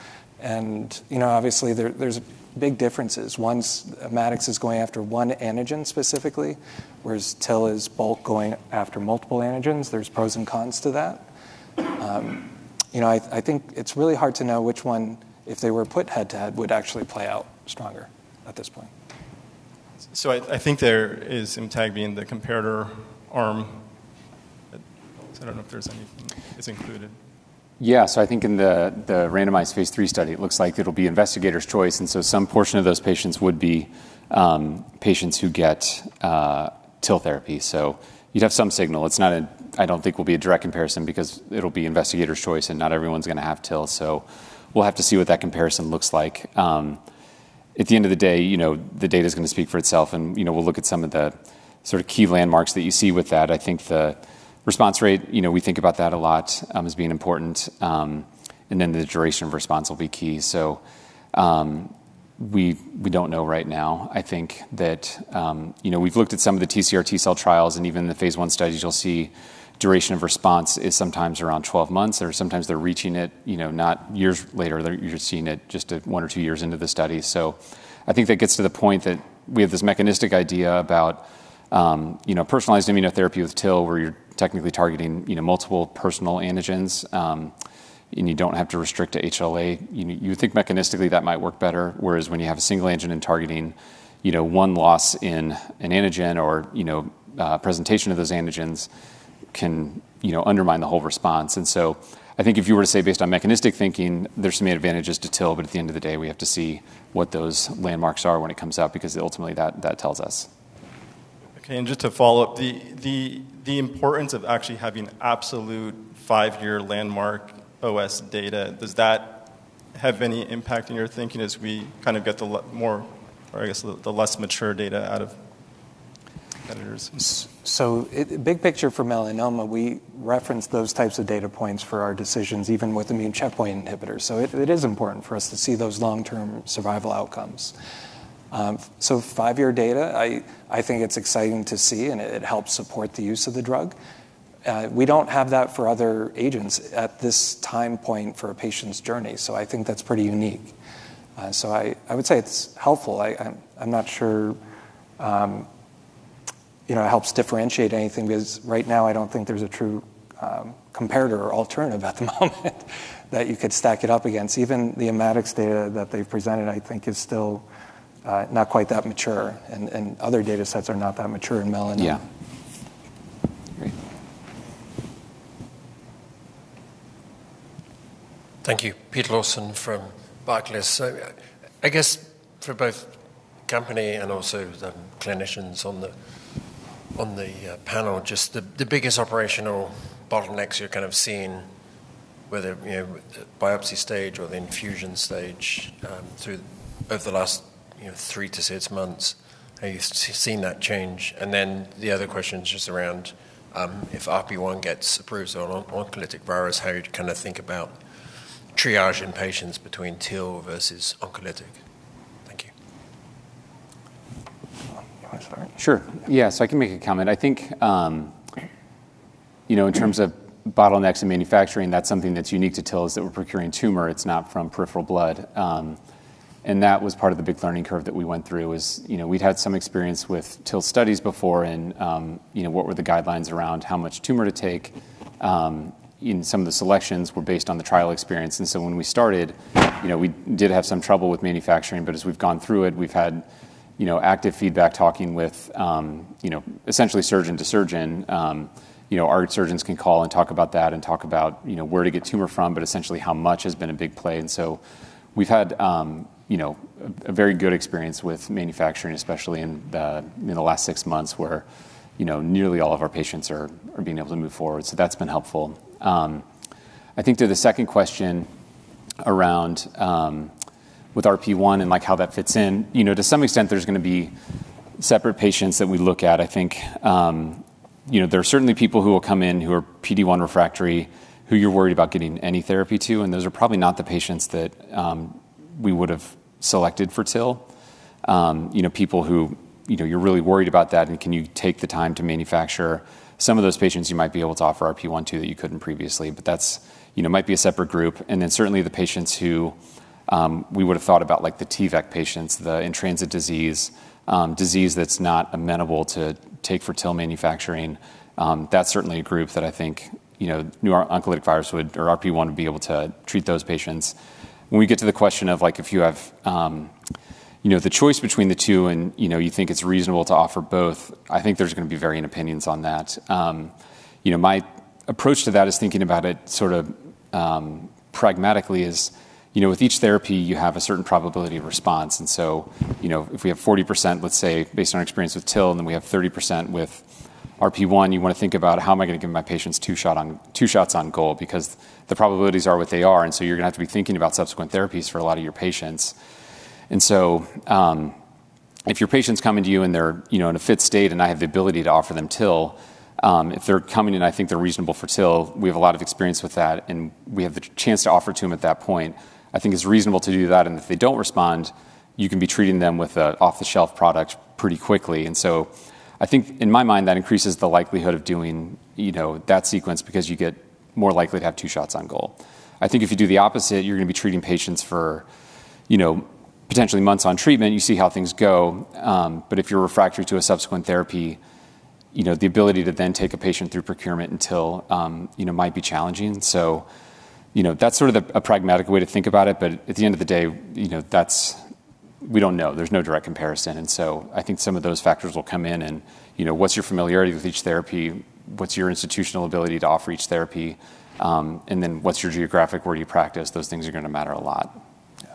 And, you know, obviously, there's big differences. One, Immatics is going after one antigen specifically, whereas TIL is bulk going after multiple antigens. There's pros and cons to that. You know, I think it's really hard to know which one, if they were put head-to-head, would actually play out stronger at this point. So I think there is Amtagvi in the comparator arm. I don't know if there's anything that's included. Yeah. So I think in the randomized phase III study, it looks like it'll be investigator's choice, and so some portion of those patients would be patients who get TIL therapy. So you'd have some signal. It's not. I don't think it will be a direct comparison because it'll be investigator's choice, and not everyone's going to have TIL, so we'll have to see what that comparison looks like. At the end of the day, you know, the data is going to speak for itself, and, you know, we'll look at some of the sort of key landmarks that you see with that. I think the response rate, you know, we think about that a lot, as being important, and then the duration of response will be key. So, we don't know right now. I think that, you know, we've looked at some of the TCR T-cell trials, and even the phase I studies, you'll see duration of response is sometimes around 12 months, or sometimes they're reaching it, you know, not years later. They're- you're seeing it just at 1 or 2 years into the study. So I think that gets to the point that we have this mechanistic idea about, you know, personalized immunotherapy with TIL, where you're technically targeting, you know, multiple personal antigens, and you don't have to restrict to HLA. You, you think mechanistically that might work better, whereas when you have a single antigen and targeting, you know, one loss in an antigen or, you know, presentation of those antigens can, you know, undermine the whole response. And so I think if you were to say, based on mechanistic thinking, there's some advantages to TIL, but at the end of the day, we have to see what those landmarks are when it comes out, because ultimately, that, that tells us. Okay, and just to follow up, the importance of actually having absolute 5-year landmark OS data, does that have any impact on your thinking as we kind of get the less mature data out of the way? So, big picture for melanoma, we reference those types of data points for our decisions, even with immune checkpoint inhibitors. So it is important for us to see those long-term survival outcomes. So 5-year data, I think it's exciting to see, and it helps support the use of the drug. We don't have that for other agents at this time point for a patient's journey, so I think that's pretty unique. So I would say it's helpful. I'm not sure, you know, it helps differentiate anything, because right now, I don't think there's a true comparator or alternative at the moment that you could stack it up against. Even the Immatics data that they've presented, I think, is still not quite that mature, and other data sets are not that mature in melanoma. Yeah. Great. Thank you. Pete Lawson from Barclays. So I guess for both company and also the clinicians on the panel, just the biggest operational bottlenecks you're kind of seeing, whether, you know, with the biopsy stage or the infusion stage, over the last, you know, three to six months, how you've seen that change? And then the other question is just around, if RP1 gets approved or oncolytic virus, how you'd kind of think about triaging patients between TIL versus oncolytic? Thank you. You want to start? Sure. Yeah, so I can make a comment. I think, you know, in terms of bottlenecks in manufacturing, that's something that's unique to TILs, that we're procuring tumor, it's not from peripheral blood. And that was part of the big learning curve that we went through, was, you know, we'd had some experience with TIL studies before and, you know, what were the guidelines around how much tumor to take? And some of the selections were based on the trial experience, and so when we started, you know, we did have some trouble with manufacturing, but as we've gone through it, we've had, you know, active feedback, talking with, you know, essentially surgeon to surgeon. You know, our surgeons can call and talk about that and talk about, you know, where to get tumor from, but essentially how much has been a big play. And so we've had, you know, a very good experience with manufacturing, especially in the last six months, where, you know, nearly all of our patients are being able to move forward. So that's been helpful. I think to the second question around with RP1 and, like, how that fits in, you know, to some extent, there's going to be separate patients that we look at. I think, you know, there are certainly people who will come in who are PD-1 refractory, who you're worried about giving any therapy to, and those are probably not the patients that we would have selected for TIL. You know, people who, you know, you're really worried about that, and can you take the time to manufacture? Some of those patients, you might be able to offer RP1 to, that you couldn't previously, but that's, you know, might be a separate group. And then certainly the patients who, we would have thought about, like the T-VEC patients, the in-transit disease, disease that's not amenable to take for TIL manufacturing, that's certainly a group that I think, you know, new oncolytic virus would or RP1 would be able to treat those patients. When we get to the question of, like, if you have, you know, the choice between the two and, you know, you think it's reasonable to offer both, I think there's going to be varying opinions on that. You know, my approach to that is thinking about it sort of pragmatically is, you know, with each therapy, you have a certain probability of response, and so, you know, if we have 40%, let's say, based on experience with TIL, and then we have 30% with RP1, you want to think about how am I going to give my patients two shots on goal? Because the probabilities are what they are, and so you're going to have to be thinking about subsequent therapies for a lot of your patients. If your patient's coming to you, and they're, you know, in a fit state, and I have the ability to offer them TIL, if they're coming in, I think they're reasonable for TIL, we have a lot of experience with that, and we have the chance to offer it to them at that point. I think it's reasonable to do that, and if they don't respond, you can be treating them with an off-the-shelf product pretty quickly. I think in my mind, that increases the likelihood of doing, you know, that sequence because you get more likely to have two shots on goal. I think if you do the opposite, you're going to be treating patients for, you know, potentially months on treatment, you see how things go, but if you're refractory to a subsequent therapy, you know, the ability to then take a patient through procurement until, you know, might be challenging. So, you know, that's sort of a pragmatic way to think about it, but at the end of the day, you know, that's... we don't know. There's no direct comparison, and so I think some of those factors will come in and, you know, what's your familiarity with each therapy? What's your institutional ability to offer each therapy? And then what's your geographic where you practice? Those things are going to matter a lot. Yeah.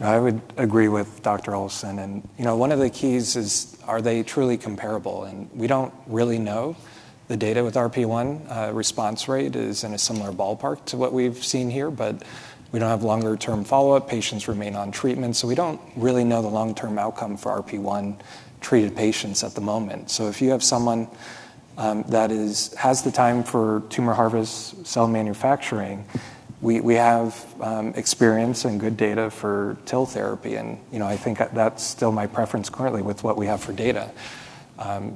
Yeah. I would agree with Dr. Olson, and, you know, one of the keys is, are they truly comparable? We don't really know the data with RP1. Response rate is in a similar ballpark to what we've seen here, but we don't have longer-term follow-up. Patients remain on treatment, so we don't really know the long-term outcome for RP1-treated patients at the moment. So if you have someone that has the time for tumor harvest cell manufacturing, we have experience and good data for TIL therapy, and, you know, I think that's still my preference currently with what we have for data. ...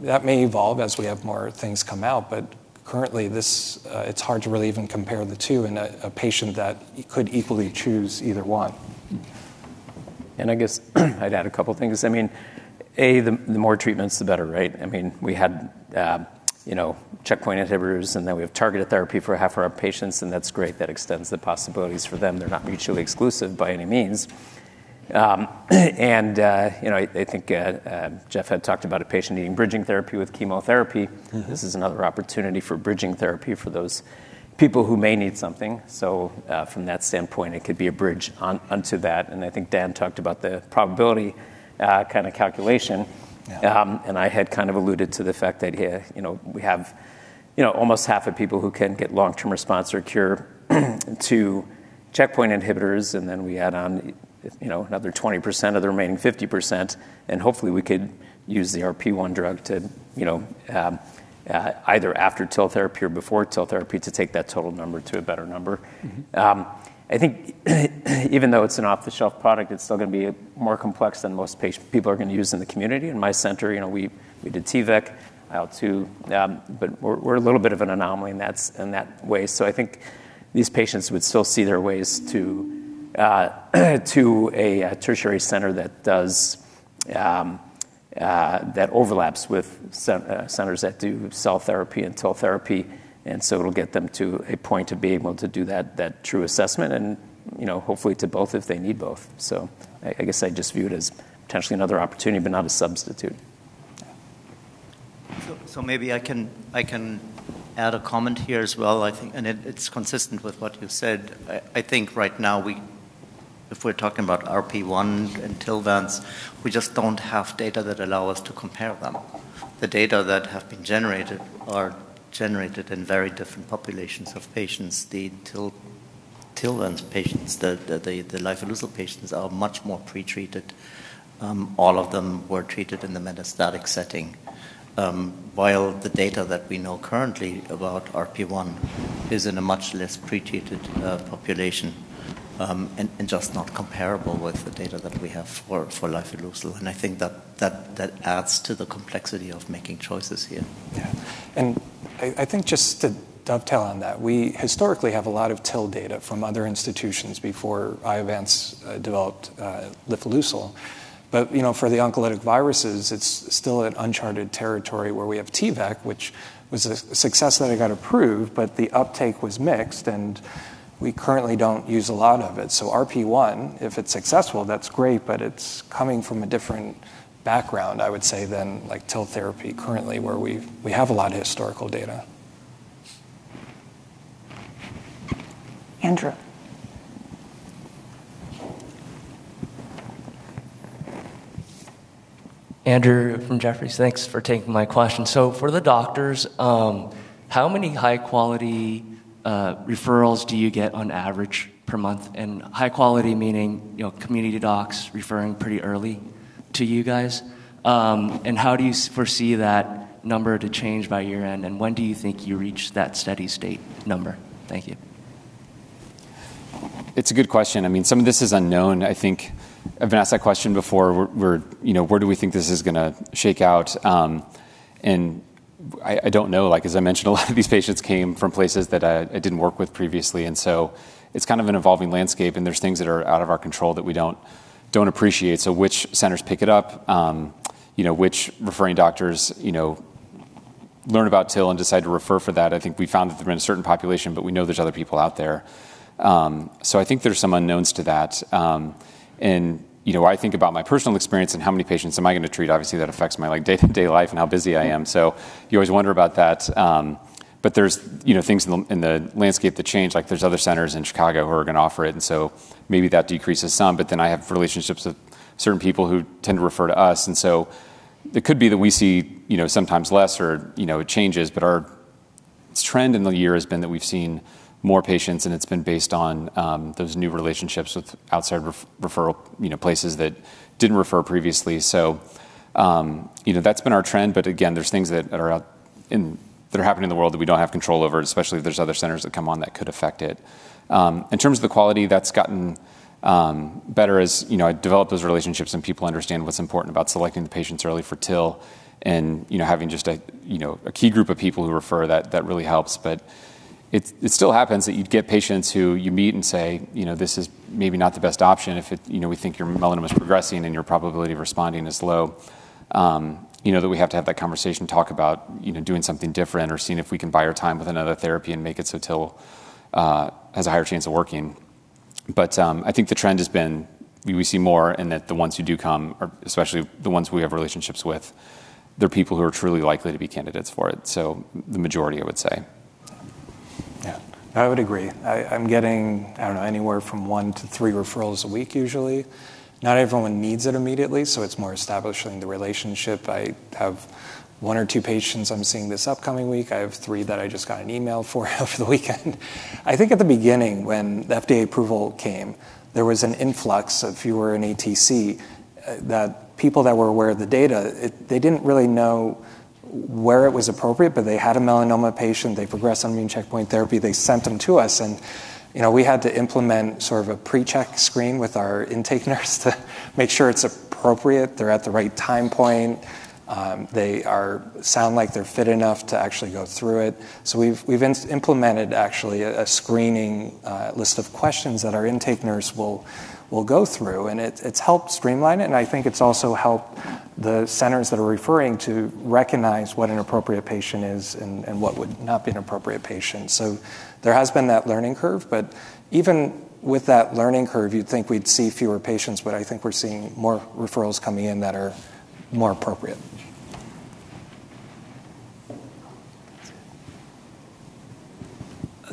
that may evolve as we have more things come out, but currently, this, it's hard to really even compare the two in a patient that could equally choose either one. And I guess I'd add a couple things. I mean, A, the more treatments, the better, right? I mean, we had, you know, checkpoint inhibitors, and then we have targeted therapy for half of our patients, and that's great. That extends the possibilities for them. They're not mutually exclusive by any means. And, you know, I think Geof had talked about a patient needing bridging therapy with chemotherapy. Mm-hmm. This is another opportunity for bridging therapy for those people who may need something. So, from that standpoint, it could be a bridge onto that, and I think Dan talked about the probability, kind of calculation. Yeah. I had kind of alluded to the fact that, yeah, you know, we have, you know, almost half the people who can get long-term response or cure to checkpoint inhibitors, and then we add on, you know, another 20% of the remaining 50%, and hopefully, we could use the RP1 drug to, you know, either after TIL therapy or before TIL therapy to take that total number to a better number. Mm-hmm. I think even though it's an off-the-shelf product, it's still going to be more complex than most patients, people are going to use in the community. In my center, you know, we did T-VEC, IL-2, but we're a little bit of an anomaly in that way. So I think these patients would still see their ways to a tertiary center that does that overlaps with centers that do cell therapy and TIL therapy, and so it'll get them to a point to be able to do that true assessment and, you know, hopefully to both if they need both. So I guess I just view it as potentially another opportunity, but not a substitute. So maybe I can add a comment here as well, I think, and it's consistent with what you've said. I think right now we, if we're talking about RP1 and TILVANCE, we just don't have data that allow us to compare them. The data that have been generated are generated in very different populations of patients. The TIL, TILVANCE patients, the lifileucel patients are much more pretreated. All of them were treated in the metastatic setting, while the data that we know currently about RP1 is in a much less pretreated population, and just not comparable with the data that we have for lifileucel, and I think that adds to the complexity of making choices here. Yeah. And I think just to dovetail on that, we historically have a lot of TIL data from other institutions before Iovance developed lifileucel. But, you know, for the oncolytic viruses, it's still at uncharted territory where we have T-VEC, which was a success that it got approved, but the uptake was mixed, and we currently don't use a lot of it. So RP1, if it's successful, that's great, but it's coming from a different background, I would say, than, like, TIL therapy currently, where we've, we have a lot of historical data. Andrew? Andrew from Jefferies. Thanks for taking my question. So for the doctors, how many high-quality referrals do you get on average per month? And high quality meaning, you know, community docs referring pretty early to you guys. And how do you foresee that number to change by year-end, and when do you think you reach that steady state number? Thank you. It's a good question. I mean, some of this is unknown. I think I've been asked that question before. We're... You know, where do we think this is going to shake out? And I don't know, like, as I mentioned, a lot of these patients came from places that I didn't work with previously, and so it's kind of an evolving landscape, and there's things that are out of our control that we don't appreciate. So which centers pick it up? You know, which referring doctors, you know, learn about TIL and decide to refer for that? I think we found that there's been a certain population, but we know there's other people out there. So I think there's some unknowns to that. And, you know, I think about my personal experience and how many patients am I going to treat. Obviously, that affects my, like, day-to-day life and how busy I am. So you always wonder about that. But there's, you know, things in the landscape that change, like there's other centers in Chicago who are going to offer it, and so maybe that decreases some, but then I have relationships with certain people who tend to refer to us, and so it could be that we see, you know, sometimes less or, you know, it changes, but our trend in the year has been that we've seen more patients, and it's been based on those new relationships with outside referral, you know, places that didn't refer previously. So, you know, that's been our trend, but again, there's things that are happening in the world that we don't have control over, especially if there's other centers that come on that could affect it. In terms of the quality, that's gotten better as, you know, I develop those relationships and people understand what's important about selecting the patients early for TIL and, you know, having just a key group of people who refer, that really helps. But it still happens that you'd get patients who you meet and say, "You know, this is maybe not the best option if it... You know, we think your melanoma is progressing and your probability of responding is low," you know, that we have to have that conversation, talk about, you know, doing something different or seeing if we can buy our time with another therapy and make it so TIL has a higher chance of working. But, I think the trend has been we see more and that the ones who do come are, especially the ones we have relationships with, they're people who are truly likely to be candidates for it, so the majority, I would say. Yeah, I would agree. I'm getting, I don't know, anywhere from 1-3 referrals a week usually. Not everyone needs it immediately, so it's more establishing the relationship. I have 1 or 2 patients I'm seeing this upcoming week. I have 3 that I just got an email for over the weekend. I think at the beginning, when the FDA approval came, there was an influx of wer in ATC that people that were aware of the data, they didn't really know- ... where it was appropriate, but they had a melanoma patient, they progressed on immune checkpoint therapy, they sent them to us, and, you know, we had to implement sort of a pre-check screen with our intake nurse to make sure it's appropriate, they're at the right time point, sound like they're fit enough to actually go through it. So we've implemented actually a screening list of questions that our intake nurse will go through, and it's helped streamline it, and I think it's also helped the centers that are referring to recognize what an appropriate patient is and what would not be an appropriate patient. So there has been that learning curve, but even with that learning curve, you'd think we'd see fewer patients, but I think we're seeing more referrals coming in that are more appropriate.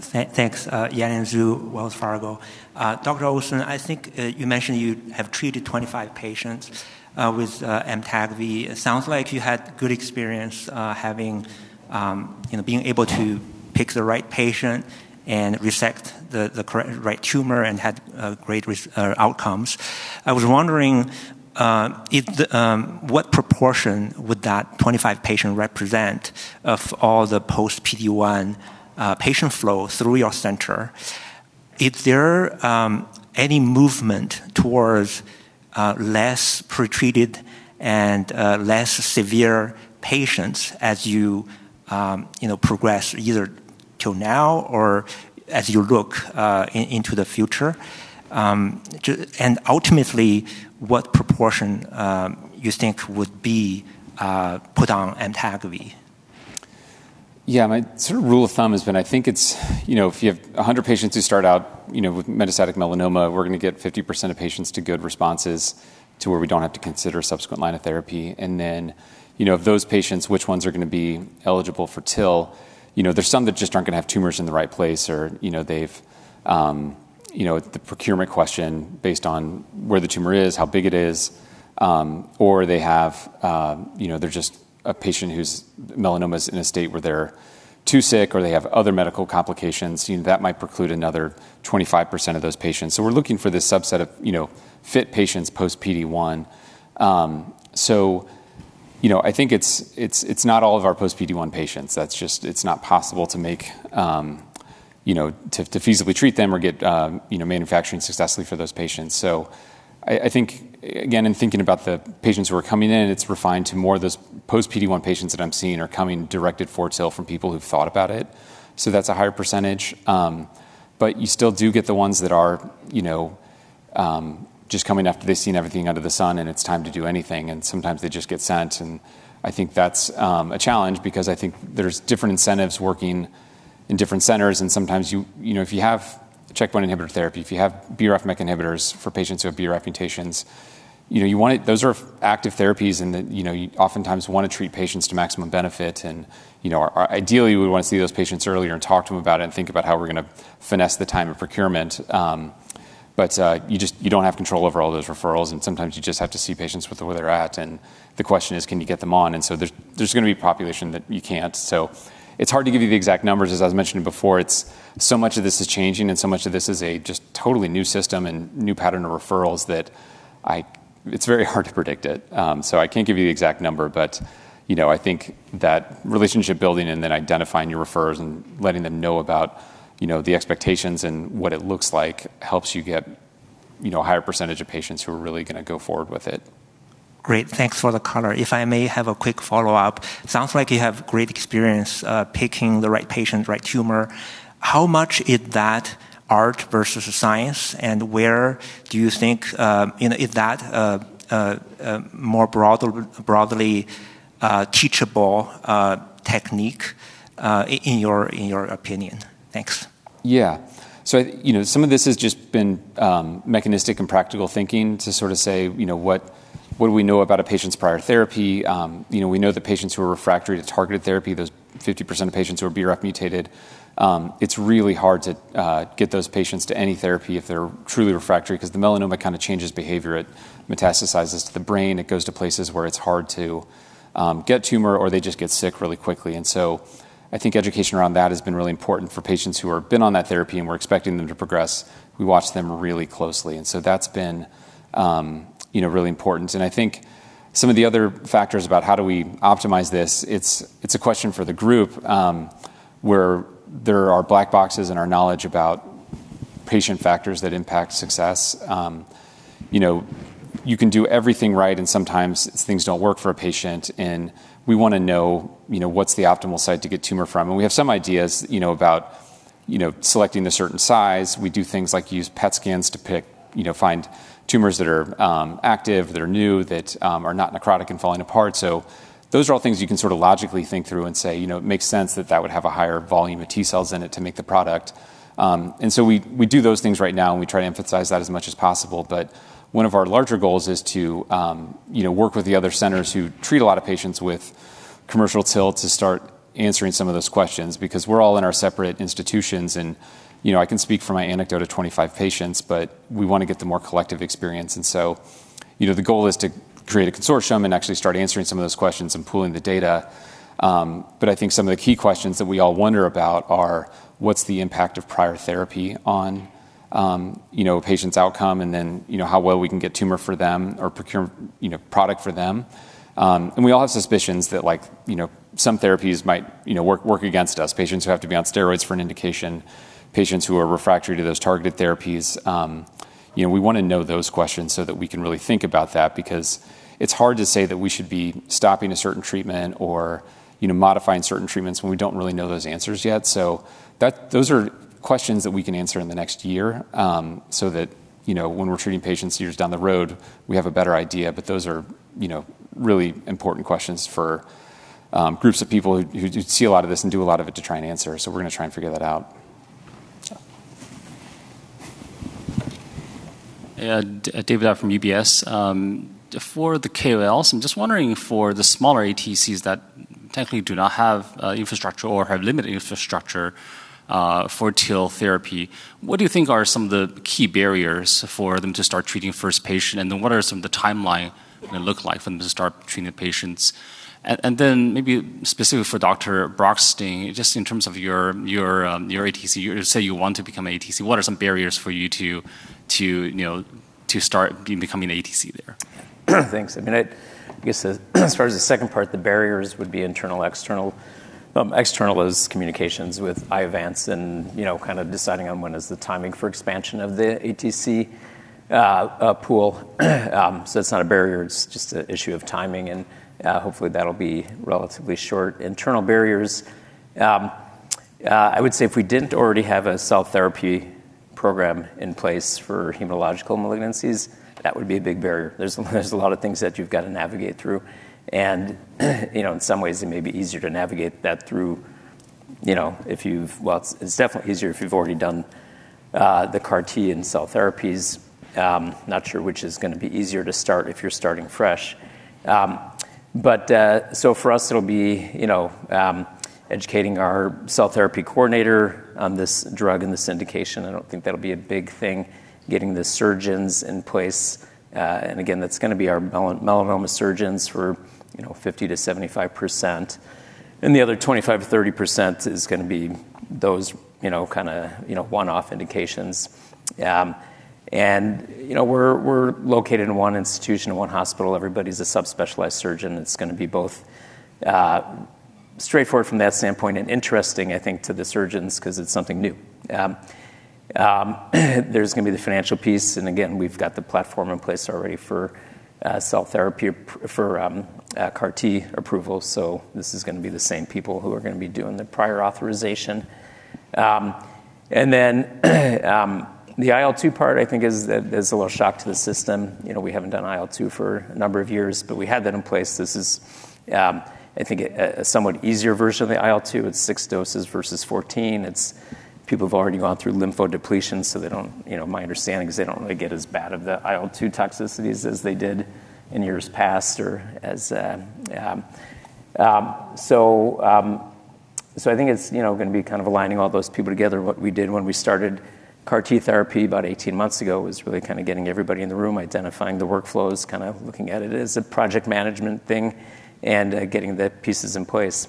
Thanks, Yanyan Zhu, Wells Fargo. Dr. Olson, I think you mentioned you have treated 25 patients with Amtagvi. It sounds like you had good experience having, you know, being able to pick the right patient and resect the right tumor and had great outcomes. I was wondering what proportion would that 25 patient represent of all the post-PD-1 patient flow through your center? Is there any movement towards less pretreated and less severe patients as you, you know, progress either till now or as you look into the future? And ultimately, what proportion you think would be put on Amtagvi? Yeah, my sort of rule of thumb has been I think it's, you know, if you have 100 patients who start out, you know, with metastatic melanoma, we're going to get 50% of patients to good responses to where we don't have to consider a subsequent line of therapy. And then, you know, of those patients, which ones are going to be eligible for TIL? You know, there's some that just aren't going to have tumors in the right place, or, you know, they've, you know, the procurement question based on where the tumor is, how big it is, or they have, you know, they're just a patient whose melanoma is in a state where they're too sick or they have other medical complications, you know, that might preclude another 25% of those patients. So we're looking for this subset of, you know, fit patients post-PD-1. So, you know, I think it's not all of our post-PD-1 patients. That's just... It's not possible to make, you know, to feasibly treat them or get, you know, manufacturing successfully for those patients. So I think, again, in thinking about the patients who are coming in, it's refined to more of those post-PD-1 patients that I'm seeing are coming directed for TIL from people who've thought about it, so that's a higher percentage. But you still do get the ones that are, you know, just coming after they've seen everything under the sun, and it's time to do anything, and sometimes they just get sent, and I think that's a challenge because I think there's different incentives working in different centers, and sometimes you, you know, if you have checkpoint inhibitor therapy, if you have BRAF/MEK inhibitors for patients who have BRAF mutations, you know, you want it... Those are active therapies, and that, you know, you oftentimes want to treat patients to maximum benefit, and, you know, ideally, we want to see those patients earlier and talk to them about it and think about how we're going to finesse the time of procurement. But you don't have control over all those referrals, and sometimes you just have to see patients with where they're at, and the question is, can you get them on? And so there's going to be a population that you can't. So it's hard to give you the exact numbers. As I was mentioning before, so much of this is changing, and so much of this is just totally new system and new pattern of referrals that it's very hard to predict it. So I can't give you the exact number, but you know, I think that relationship building and then identifying your referrers and letting them know about, you know, the expectations and what it looks like, helps you get, you know, a higher percentage of patients who are really going to go forward with it. Great. Thanks for the color. If I may have a quick follow-up, it sounds like you have great experience picking the right patient, right tumor. How much is that art versus a science, and where do you think, you know, is that a more broad, broadly teachable technique in your, in your opinion? Thanks. Yeah. So, you know, some of this has just been mechanistic and practical thinking to sort of say, you know, what, what do we know about a patient's prior therapy? You know, we know the patients who are refractory to targeted therapy, those 50% of patients who are BRAF mutated. It's really hard to get those patients to any therapy if they're truly refractory because the melanoma kind of changes behavior. It metastasizes to the brain, it goes to places where it's hard to get tumor, or they just get sick really quickly. And so I think education around that has been really important for patients who have been on that therapy and we're expecting them to progress. We watch them really closely, and so that's been, you know, really important. I think some of the other factors about how do we optimize this, it's a question for the group, where there are black boxes in our knowledge about patient factors that impact success. You know, you can do everything right, and sometimes things don't work for a patient, and we want to know, you know, what's the optimal site to get tumor from, and we have some ideas, you know, about, you know, selecting a certain size. We do things like use PET scans to pick, you know, find tumors that are active, that are new, that are not necrotic and falling apart. So those are all things you can sort of logically think through and say, "You know, it makes sense that that would have a higher volume of T cells in it to make the product." And so we, we do those things right now, and we try to emphasize that as much as possible. But one of our larger goals is to, you know, work with the other centers who treat a lot of patients with commercial TIL to start answering some of those questions because we're all in our separate institutions, and, you know, I can speak for my anecdote of 25 patients, but we want to get the more collective experience. And so, you know, the goal is to create a consortium and actually start answering some of those questions and pooling the data. But I think some of the key questions that we all wonder about are, what's the impact of prior therapy, you know, a patient's outcome, and then, you know, how well we can get tumor for them or procure, you know, product for them. And we all have suspicions that, like, you know, some therapies might, you know, work, work against us. Patients who have to be on steroids for an indication, patients who are refractory to those targeted therapies, you know, we want to know those questions so that we can really think about that because it's hard to say that we should be stopping a certain treatment or, you know, modifying certain treatments when we don't really know those answers yet. So those are questions that we can answer in the next year, so that, you know, when we're treating patients years down the road, we have a better idea. But those are, you know, really important questions for groups of people who do see a lot of this and do a lot of it to try and answer. So we're gonna try and figure that out. Yeah. David Vogt from UBS. For the KOLs, I'm just wondering, for the smaller ATCs that technically do not have infrastructure or have limited infrastructure for TIL therapy, what do you think are some of the key barriers for them to start treating first patient? And then what are some of the timeline gonna look like for them to start treating the patients? And, and then maybe specifically for Dr. Brockstein, just in terms of your, your, your ATC, say you want to become an ATC, what are some barriers for you to, to, you know, to start becoming an ATC there? Thanks. I mean, I guess, as far as the second part, the barriers would be internal, external. External is communications with Iovance and, you know, kind of deciding on when is the timing for expansion of the ATC pool. So it's not a barrier, it's just an issue of timing, and, hopefully, that'll be relatively short. Internal barriers, I would say if we didn't already have a cell therapy program in place for hematological malignancies, that would be a big barrier. There's, there's a lot of things that you've got to navigate through, and, you know, in some ways it may be easier to navigate that through, you know, if you've-- well, it's definitely easier if you've already done the CAR T and cell therapies. Not sure which is gonna be easier to start if you're starting fresh. So for us, it'll be, you know, educating our cell therapy coordinator on this drug and this indication. I don't think that'll be a big thing, getting the surgeons in place. And again, that's gonna be our melanoma surgeons for, you know, 50%-75%, and the other 25%-30% is gonna be those, you know, kinda, you know, one-off indications. And, you know, we're, we're located in one institution, in one hospital. Everybody's a subspecialized surgeon. It's gonna be both straightforward from that standpoint and interesting, I think, to the surgeons 'cause it's something new. There's gonna be the financial piece, and again, we've got the platform in place already for cell therapy for CAR-T approval, so this is gonna be the same people who are gonna be doing the prior authorization. And then the IL-2 part, I think is a little shock to the system. You know, we haven't done IL-2 for a number of years, but we had that in place. This is, I think, a somewhat easier version of the IL-2. It's 6 doses versus 14. It's... People have already gone through lymphodepletion, so they don't, you know, my understanding is they don't really get as bad of the IL-2 toxicities as they did in years past or as... So, so I think it's, you know, gonna be kind of aligning all those people together. What we did when we started CAR-T therapy about 18 months ago was really kind of getting everybody in the room, identifying the workflows, kind of looking at it as a project management thing and getting the pieces in place.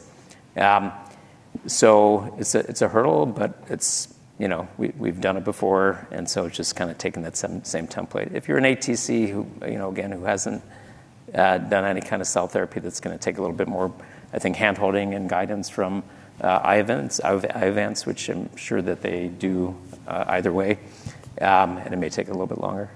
So it's a hurdle, but it's, you know, we've done it before, and so it's just kinda taking that same template. If you're an ATC who, you know, again, who hasn't done any kind of cell therapy, that's gonna take a little bit more, I think, hand-holding and guidance from Iovance, which I'm sure that they do, either way, and it may take a little bit longer.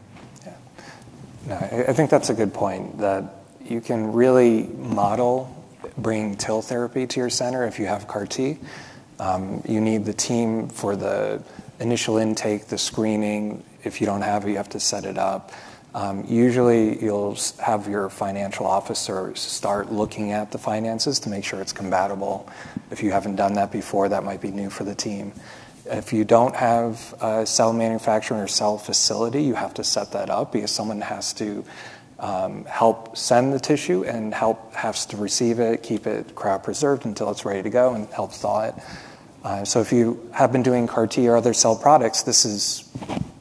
Yeah. I, I think that's a good point, that you can really model bringing TIL therapy to your center if you have CAR T. You need the team for the initial intake, the screening. If you don't have it, you have to set it up. Usually, you'll have your financial officer start looking at the finances to make sure it's compatible. If you haven't done that before, that might be new for the team. If you don't have a cell manufacturer or cell facility, you have to set that up because someone has to help send the tissue and has to receive it, keep it cryopreserved until it's ready to go, and help thaw it. So if you have been doing CAR T or other cell products, this is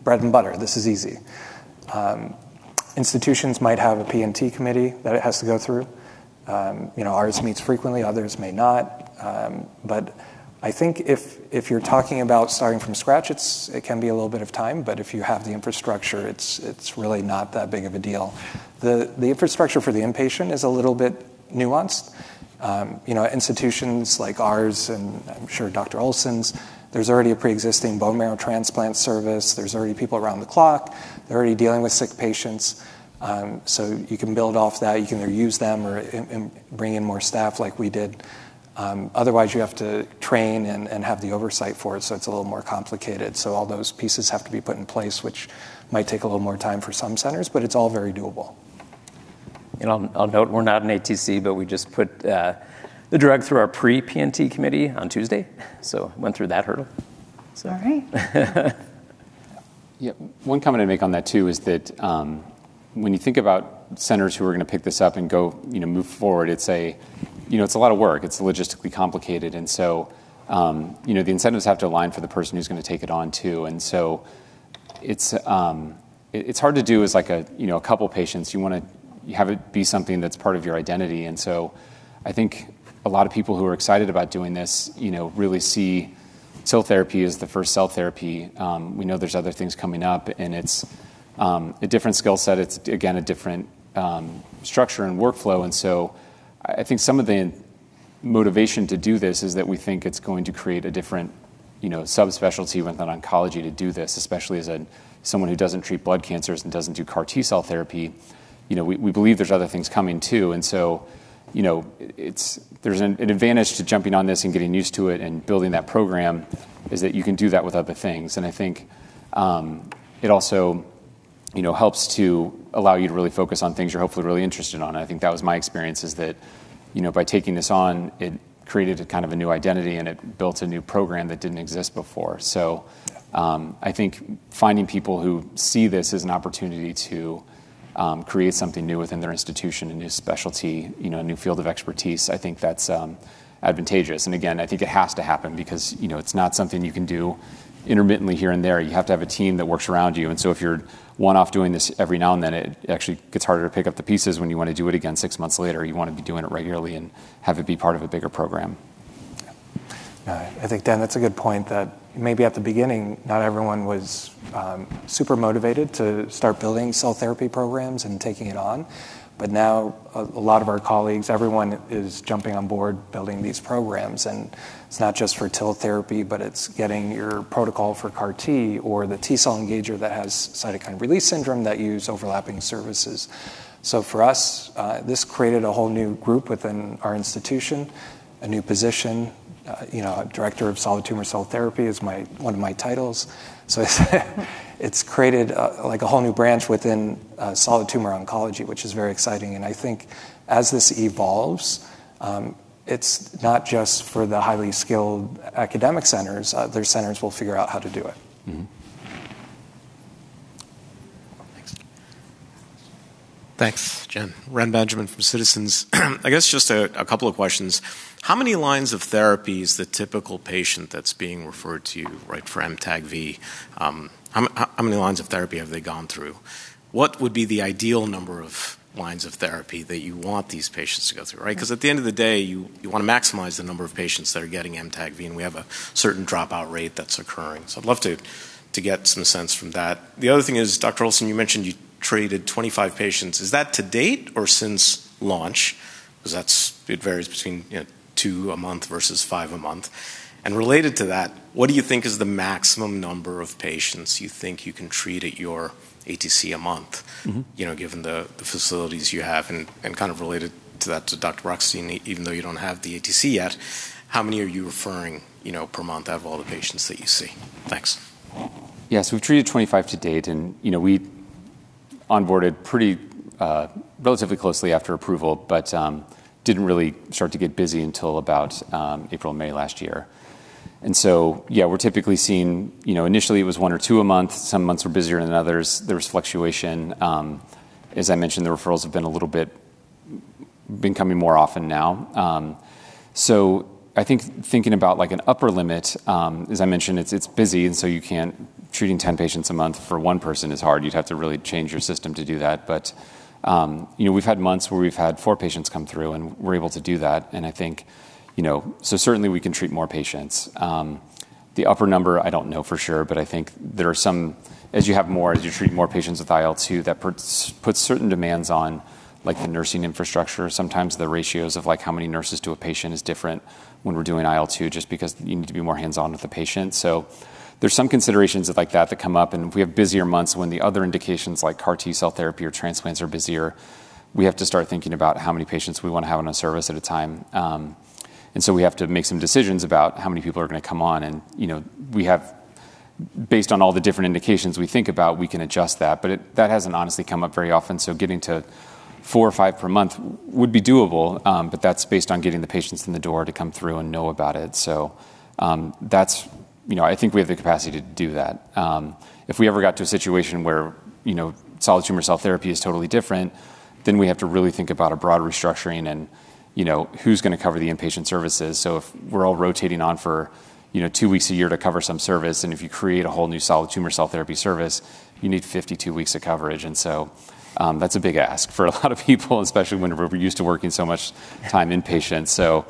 bread and butter. This is easy. Institutions might have a P&T committee that it has to go through. You know, ours meets frequently, others may not. But I think if, if you're talking about starting from scratch, it's, it can be a little bit of time, but if you have the infrastructure, it's, it's really not that big of a deal. The, the infrastructure for the inpatient is a little bit nuanced. You know, institutions like ours, and I'm sure Dr. Olson's, there's already a preexisting bone marrow transplant service. There's already people around the clock. They're already dealing with sick patients, so you can build off that. You can either use them or i-, bring in more staff like we did. Otherwise, you have to train and, and have the oversight for it, so it's a little more complicated. All those pieces have to be put in place, which might take a little more time for some centers, but it's all very doable. I'll note, we're not an ATC, but we just put the drug through our pre-P&T committee on Tuesday, so went through that hurdle. All right. Yeah, one comment I'd make on that, too, is that when you think about centers who are gonna pick this up and go, you know, move forward, it's a, you know, it's a lot of work. It's logistically complicated, and so, you know, the incentives have to align for the person who's gonna take it on, too. And so it's hard to do as, like, a, you know, a couple patients. You wanna have it be something that's part of your identity, and so I think a lot of people who are excited about doing this, you know, really see cell therapy as the first cell therapy. We know there's other things coming up, and it's a different skill set. It's, again, a different structure and workflow, and so I think some of the motivation to do this is that we think it's going to create a different, you know, subspecialty within oncology to do this, especially as someone who doesn't treat blood cancers and doesn't do CAR T-cell therapy. You know, we believe there's other things coming too, and so, you know, it's. There's an advantage to jumping on this and getting used to it and building that program, is that you can do that with other things. And I think it also, you know, helps to allow you to really focus on things you're hopefully really interested in. I think that was my experience, is that, you know, by taking this on, it created a kind of a new identity, and it built a new program that didn't exist before. So, I think finding people who see this as an opportunity to, create something new within their institution, a new specialty, you know, a new field of expertise, I think that's, advantageous. And again, I think it has to happen because, you know, it's not something you can do intermittently here and there. You have to have a team that works around you, and so if you're one-off doing this every now and then, it actually gets harder to pick up the pieces when you wanna do it again six months later. You wanna be doing it regularly and have it be part of a bigger program. Yeah. I think, Dan, that's a good point, that maybe at the beginning, not everyone was super motivated to start building cell therapy programs and taking it on. But now a lot of our colleagues, everyone is jumping on board building these programs, and it's not just for TIL therapy, but it's getting your protocol for CAR T or the T-cell engager that has cytokine release syndrome that use overlapping services. So for us, this created a whole new group within our institution, a new position. You know, Director of Solid Tumor Cell Therapy is one of my titles. So it's created a, like, a whole new branch within solid tumor oncology, which is very exciting, and I think as this evolves, it's not just for the highly skilled academic centers. Other centers will figure out how to do it. Mm-hmm. Thanks. Thanks, Jim. Reni Benjamin from Citizens JMP. I guess just a couple of questions. How many lines of therapies the typical patient that's being referred to, right, for Amtagvi, how many lines of therapy have they gone through? What would be the ideal number of lines of therapy that you want these patients to go through, right? 'Cause at the end of the day, you, you wanna maximize the number of patients that are getting Amtagvi, and we have a certain dropout rate that's occurring. So I'd love to, to get some sense from that. The other thing is, Dr. Olson, you mentioned you treated 25 patients. Is that to date or since launch? 'Cause that's... It varies between, you know, two a month versus five a month. Related to that, what do you think is the maximum number of patients you think you can treat at your ATC a month? Mm-hmm. You know, given the facilities you have? And kind of related to that, to Dr. Brockstein, even though you don't have the ATC yet, how many are you referring, you know, per month out of all the patients that you see? Thanks. Yes, we've treated 25 to date, and you know, we onboarded pretty relatively closely after approval, but didn't really start to get busy until about April, May last year. So yeah, we're typically seeing you know, initially it was one or two a month. Some months were busier than others. There was fluctuation. As I mentioned, the referrals have been coming more often now. So I think thinking about like an upper limit, as I mentioned, it's busy, and so you can't treating 10 patients a month for one person is hard. You'd have to really change your system to do that. But you know, we've had months where we've had four patients come through, and we're able to do that, and I think you know. So certainly, we can treat more patients. The upper number, I don't know for sure, but I think there are some as you have more, as you treat more patients with IL-2, that puts certain demands on, like, the nursing infrastructure. Sometimes the ratios of, like, how many nurses to a patient is different when we're doing IL-2, just because you need to be more hands-on with the patient. So there's some considerations like that that come up, and if we have busier months when the other indications, like CAR T-cell therapy or transplants, are busier, we have to start thinking about how many patients we want to have on a service at a time. And so we have to make some decisions about how many people are gonna come on and, you know, we have based on all the different indications we think about, we can adjust that, but it that hasn't honestly come up very often, so getting to four or five per month would be doable. But that's based on getting the patients in the door to come through and know about it. So, that's you know, I think we have the capacity to do that. If we ever got to a situation where, you know, solid tumor cell therapy is totally different, then we have to really think about a broad restructuring and, you know, who's gonna cover the inpatient services. So if we're all rotating on for, you know, 2 weeks a year to cover some service, and if you create a whole new solid tumor cell therapy service, you need 52 weeks of coverage, and so, that's a big ask for a lot of people, especially when we're used to working so much time inpatient. So,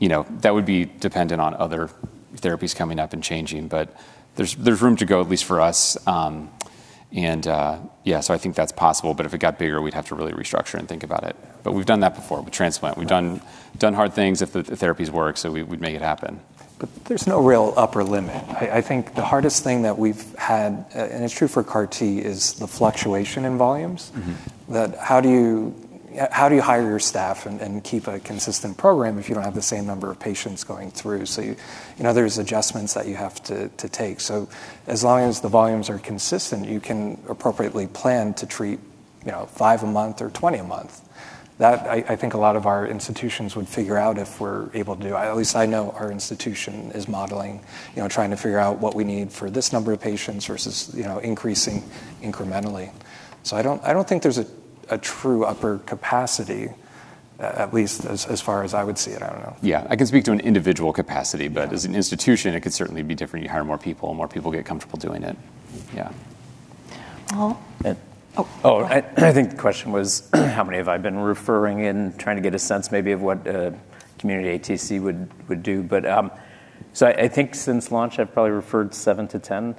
you know, that would be dependent on other therapies coming up and changing, but there's room to go, at least for us. And yeah, so I think that's possible, but if it got bigger, we'd have to really restructure and think about it. But we've done that before with transplant. We've done hard things if the therapies work, so we'd make it happen. But there's no real upper limit. I think the hardest thing that we've had, and it's true for CAR-T, is the fluctuation in volumes. Mm-hmm. So how do you hire your staff and keep a consistent program if you don't have the same number of patients going through? You know, there's adjustments that you have to take. So as long as the volumes are consistent, you can appropriately plan to treat, you know, 5 a month or 20 a month. I think a lot of our institutions would figure out if we're able to do. At least I know our institution is modeling, you know, trying to figure out what we need for this number of patients versus, you know, increasing incrementally. I don't think there's a- ... a true upper capacity, at least as, as far as I would see it. I don't know. Yeah, I can speak to an individual capacity, but- Yeah. As an institution, it could certainly be different. You hire more people, and more people get comfortable doing it. Yeah. Paul? Uh- Oh, go ahead. Oh, I think the question was how many have I been referring and trying to get a sense maybe of what community ATC would do? But, so I think since launch, I've probably referred 7-10.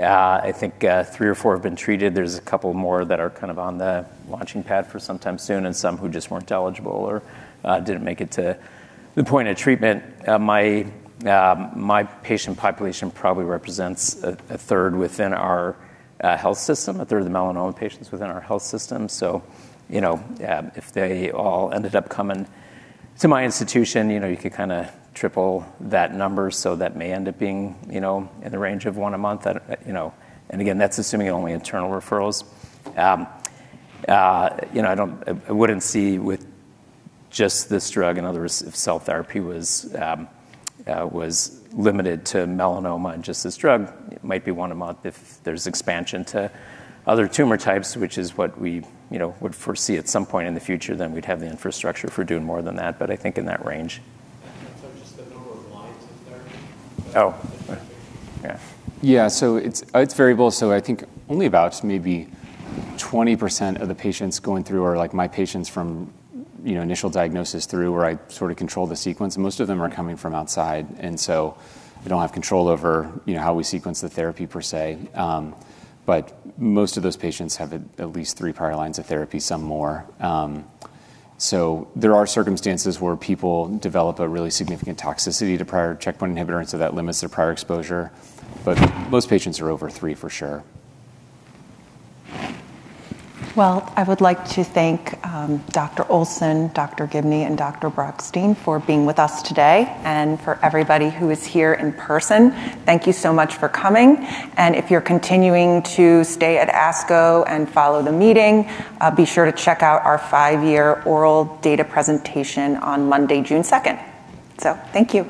I think 3 or 4 have been treated. There's a couple more that are kind of on the launching pad for sometime soon, and some who just weren't eligible or didn't make it to the point of treatment. My patient population probably represents a third within our health system, a third of the melanoma patients within our health system. So, you know, if they all ended up coming to my institution, you know, you could kinda triple that number. So that may end up being, you know, in the range of 1 a month. I don't— You know, and again, that's assuming only internal referrals. You know, I wouldn't see with just this drug and others, if cell therapy was limited to melanoma and just this drug, it might be one a month. If there's expansion to other tumor types, which is what we, you know, would foresee at some point in the future, then we'd have the infrastructure for doing more than that, but I think in that range. Just the number of lines of therapy? Oh, yeah. Yeah. So it's variable, so I think only about maybe 20% of the patients going through are, like, my patients from, you know, initial diagnosis through, where I sort of control the sequence, and most of them are coming from outside. And so I don't have control over, you know, how we sequence the therapy per se. So there are circumstances where people develop a really significant toxicity to prior checkpoint inhibitor, and so that limits their prior exposure, but most patients are over three for sure. Well, I would like to thank Dr. Olson, Dr. Gibney, and Dr. Brockstein for being with us today. And for everybody who is here in person, thank you so much for coming, and if you're continuing to stay at ASCO and follow the meeting, be sure to check out our five-year oral data presentation on Monday, June second. So thank you!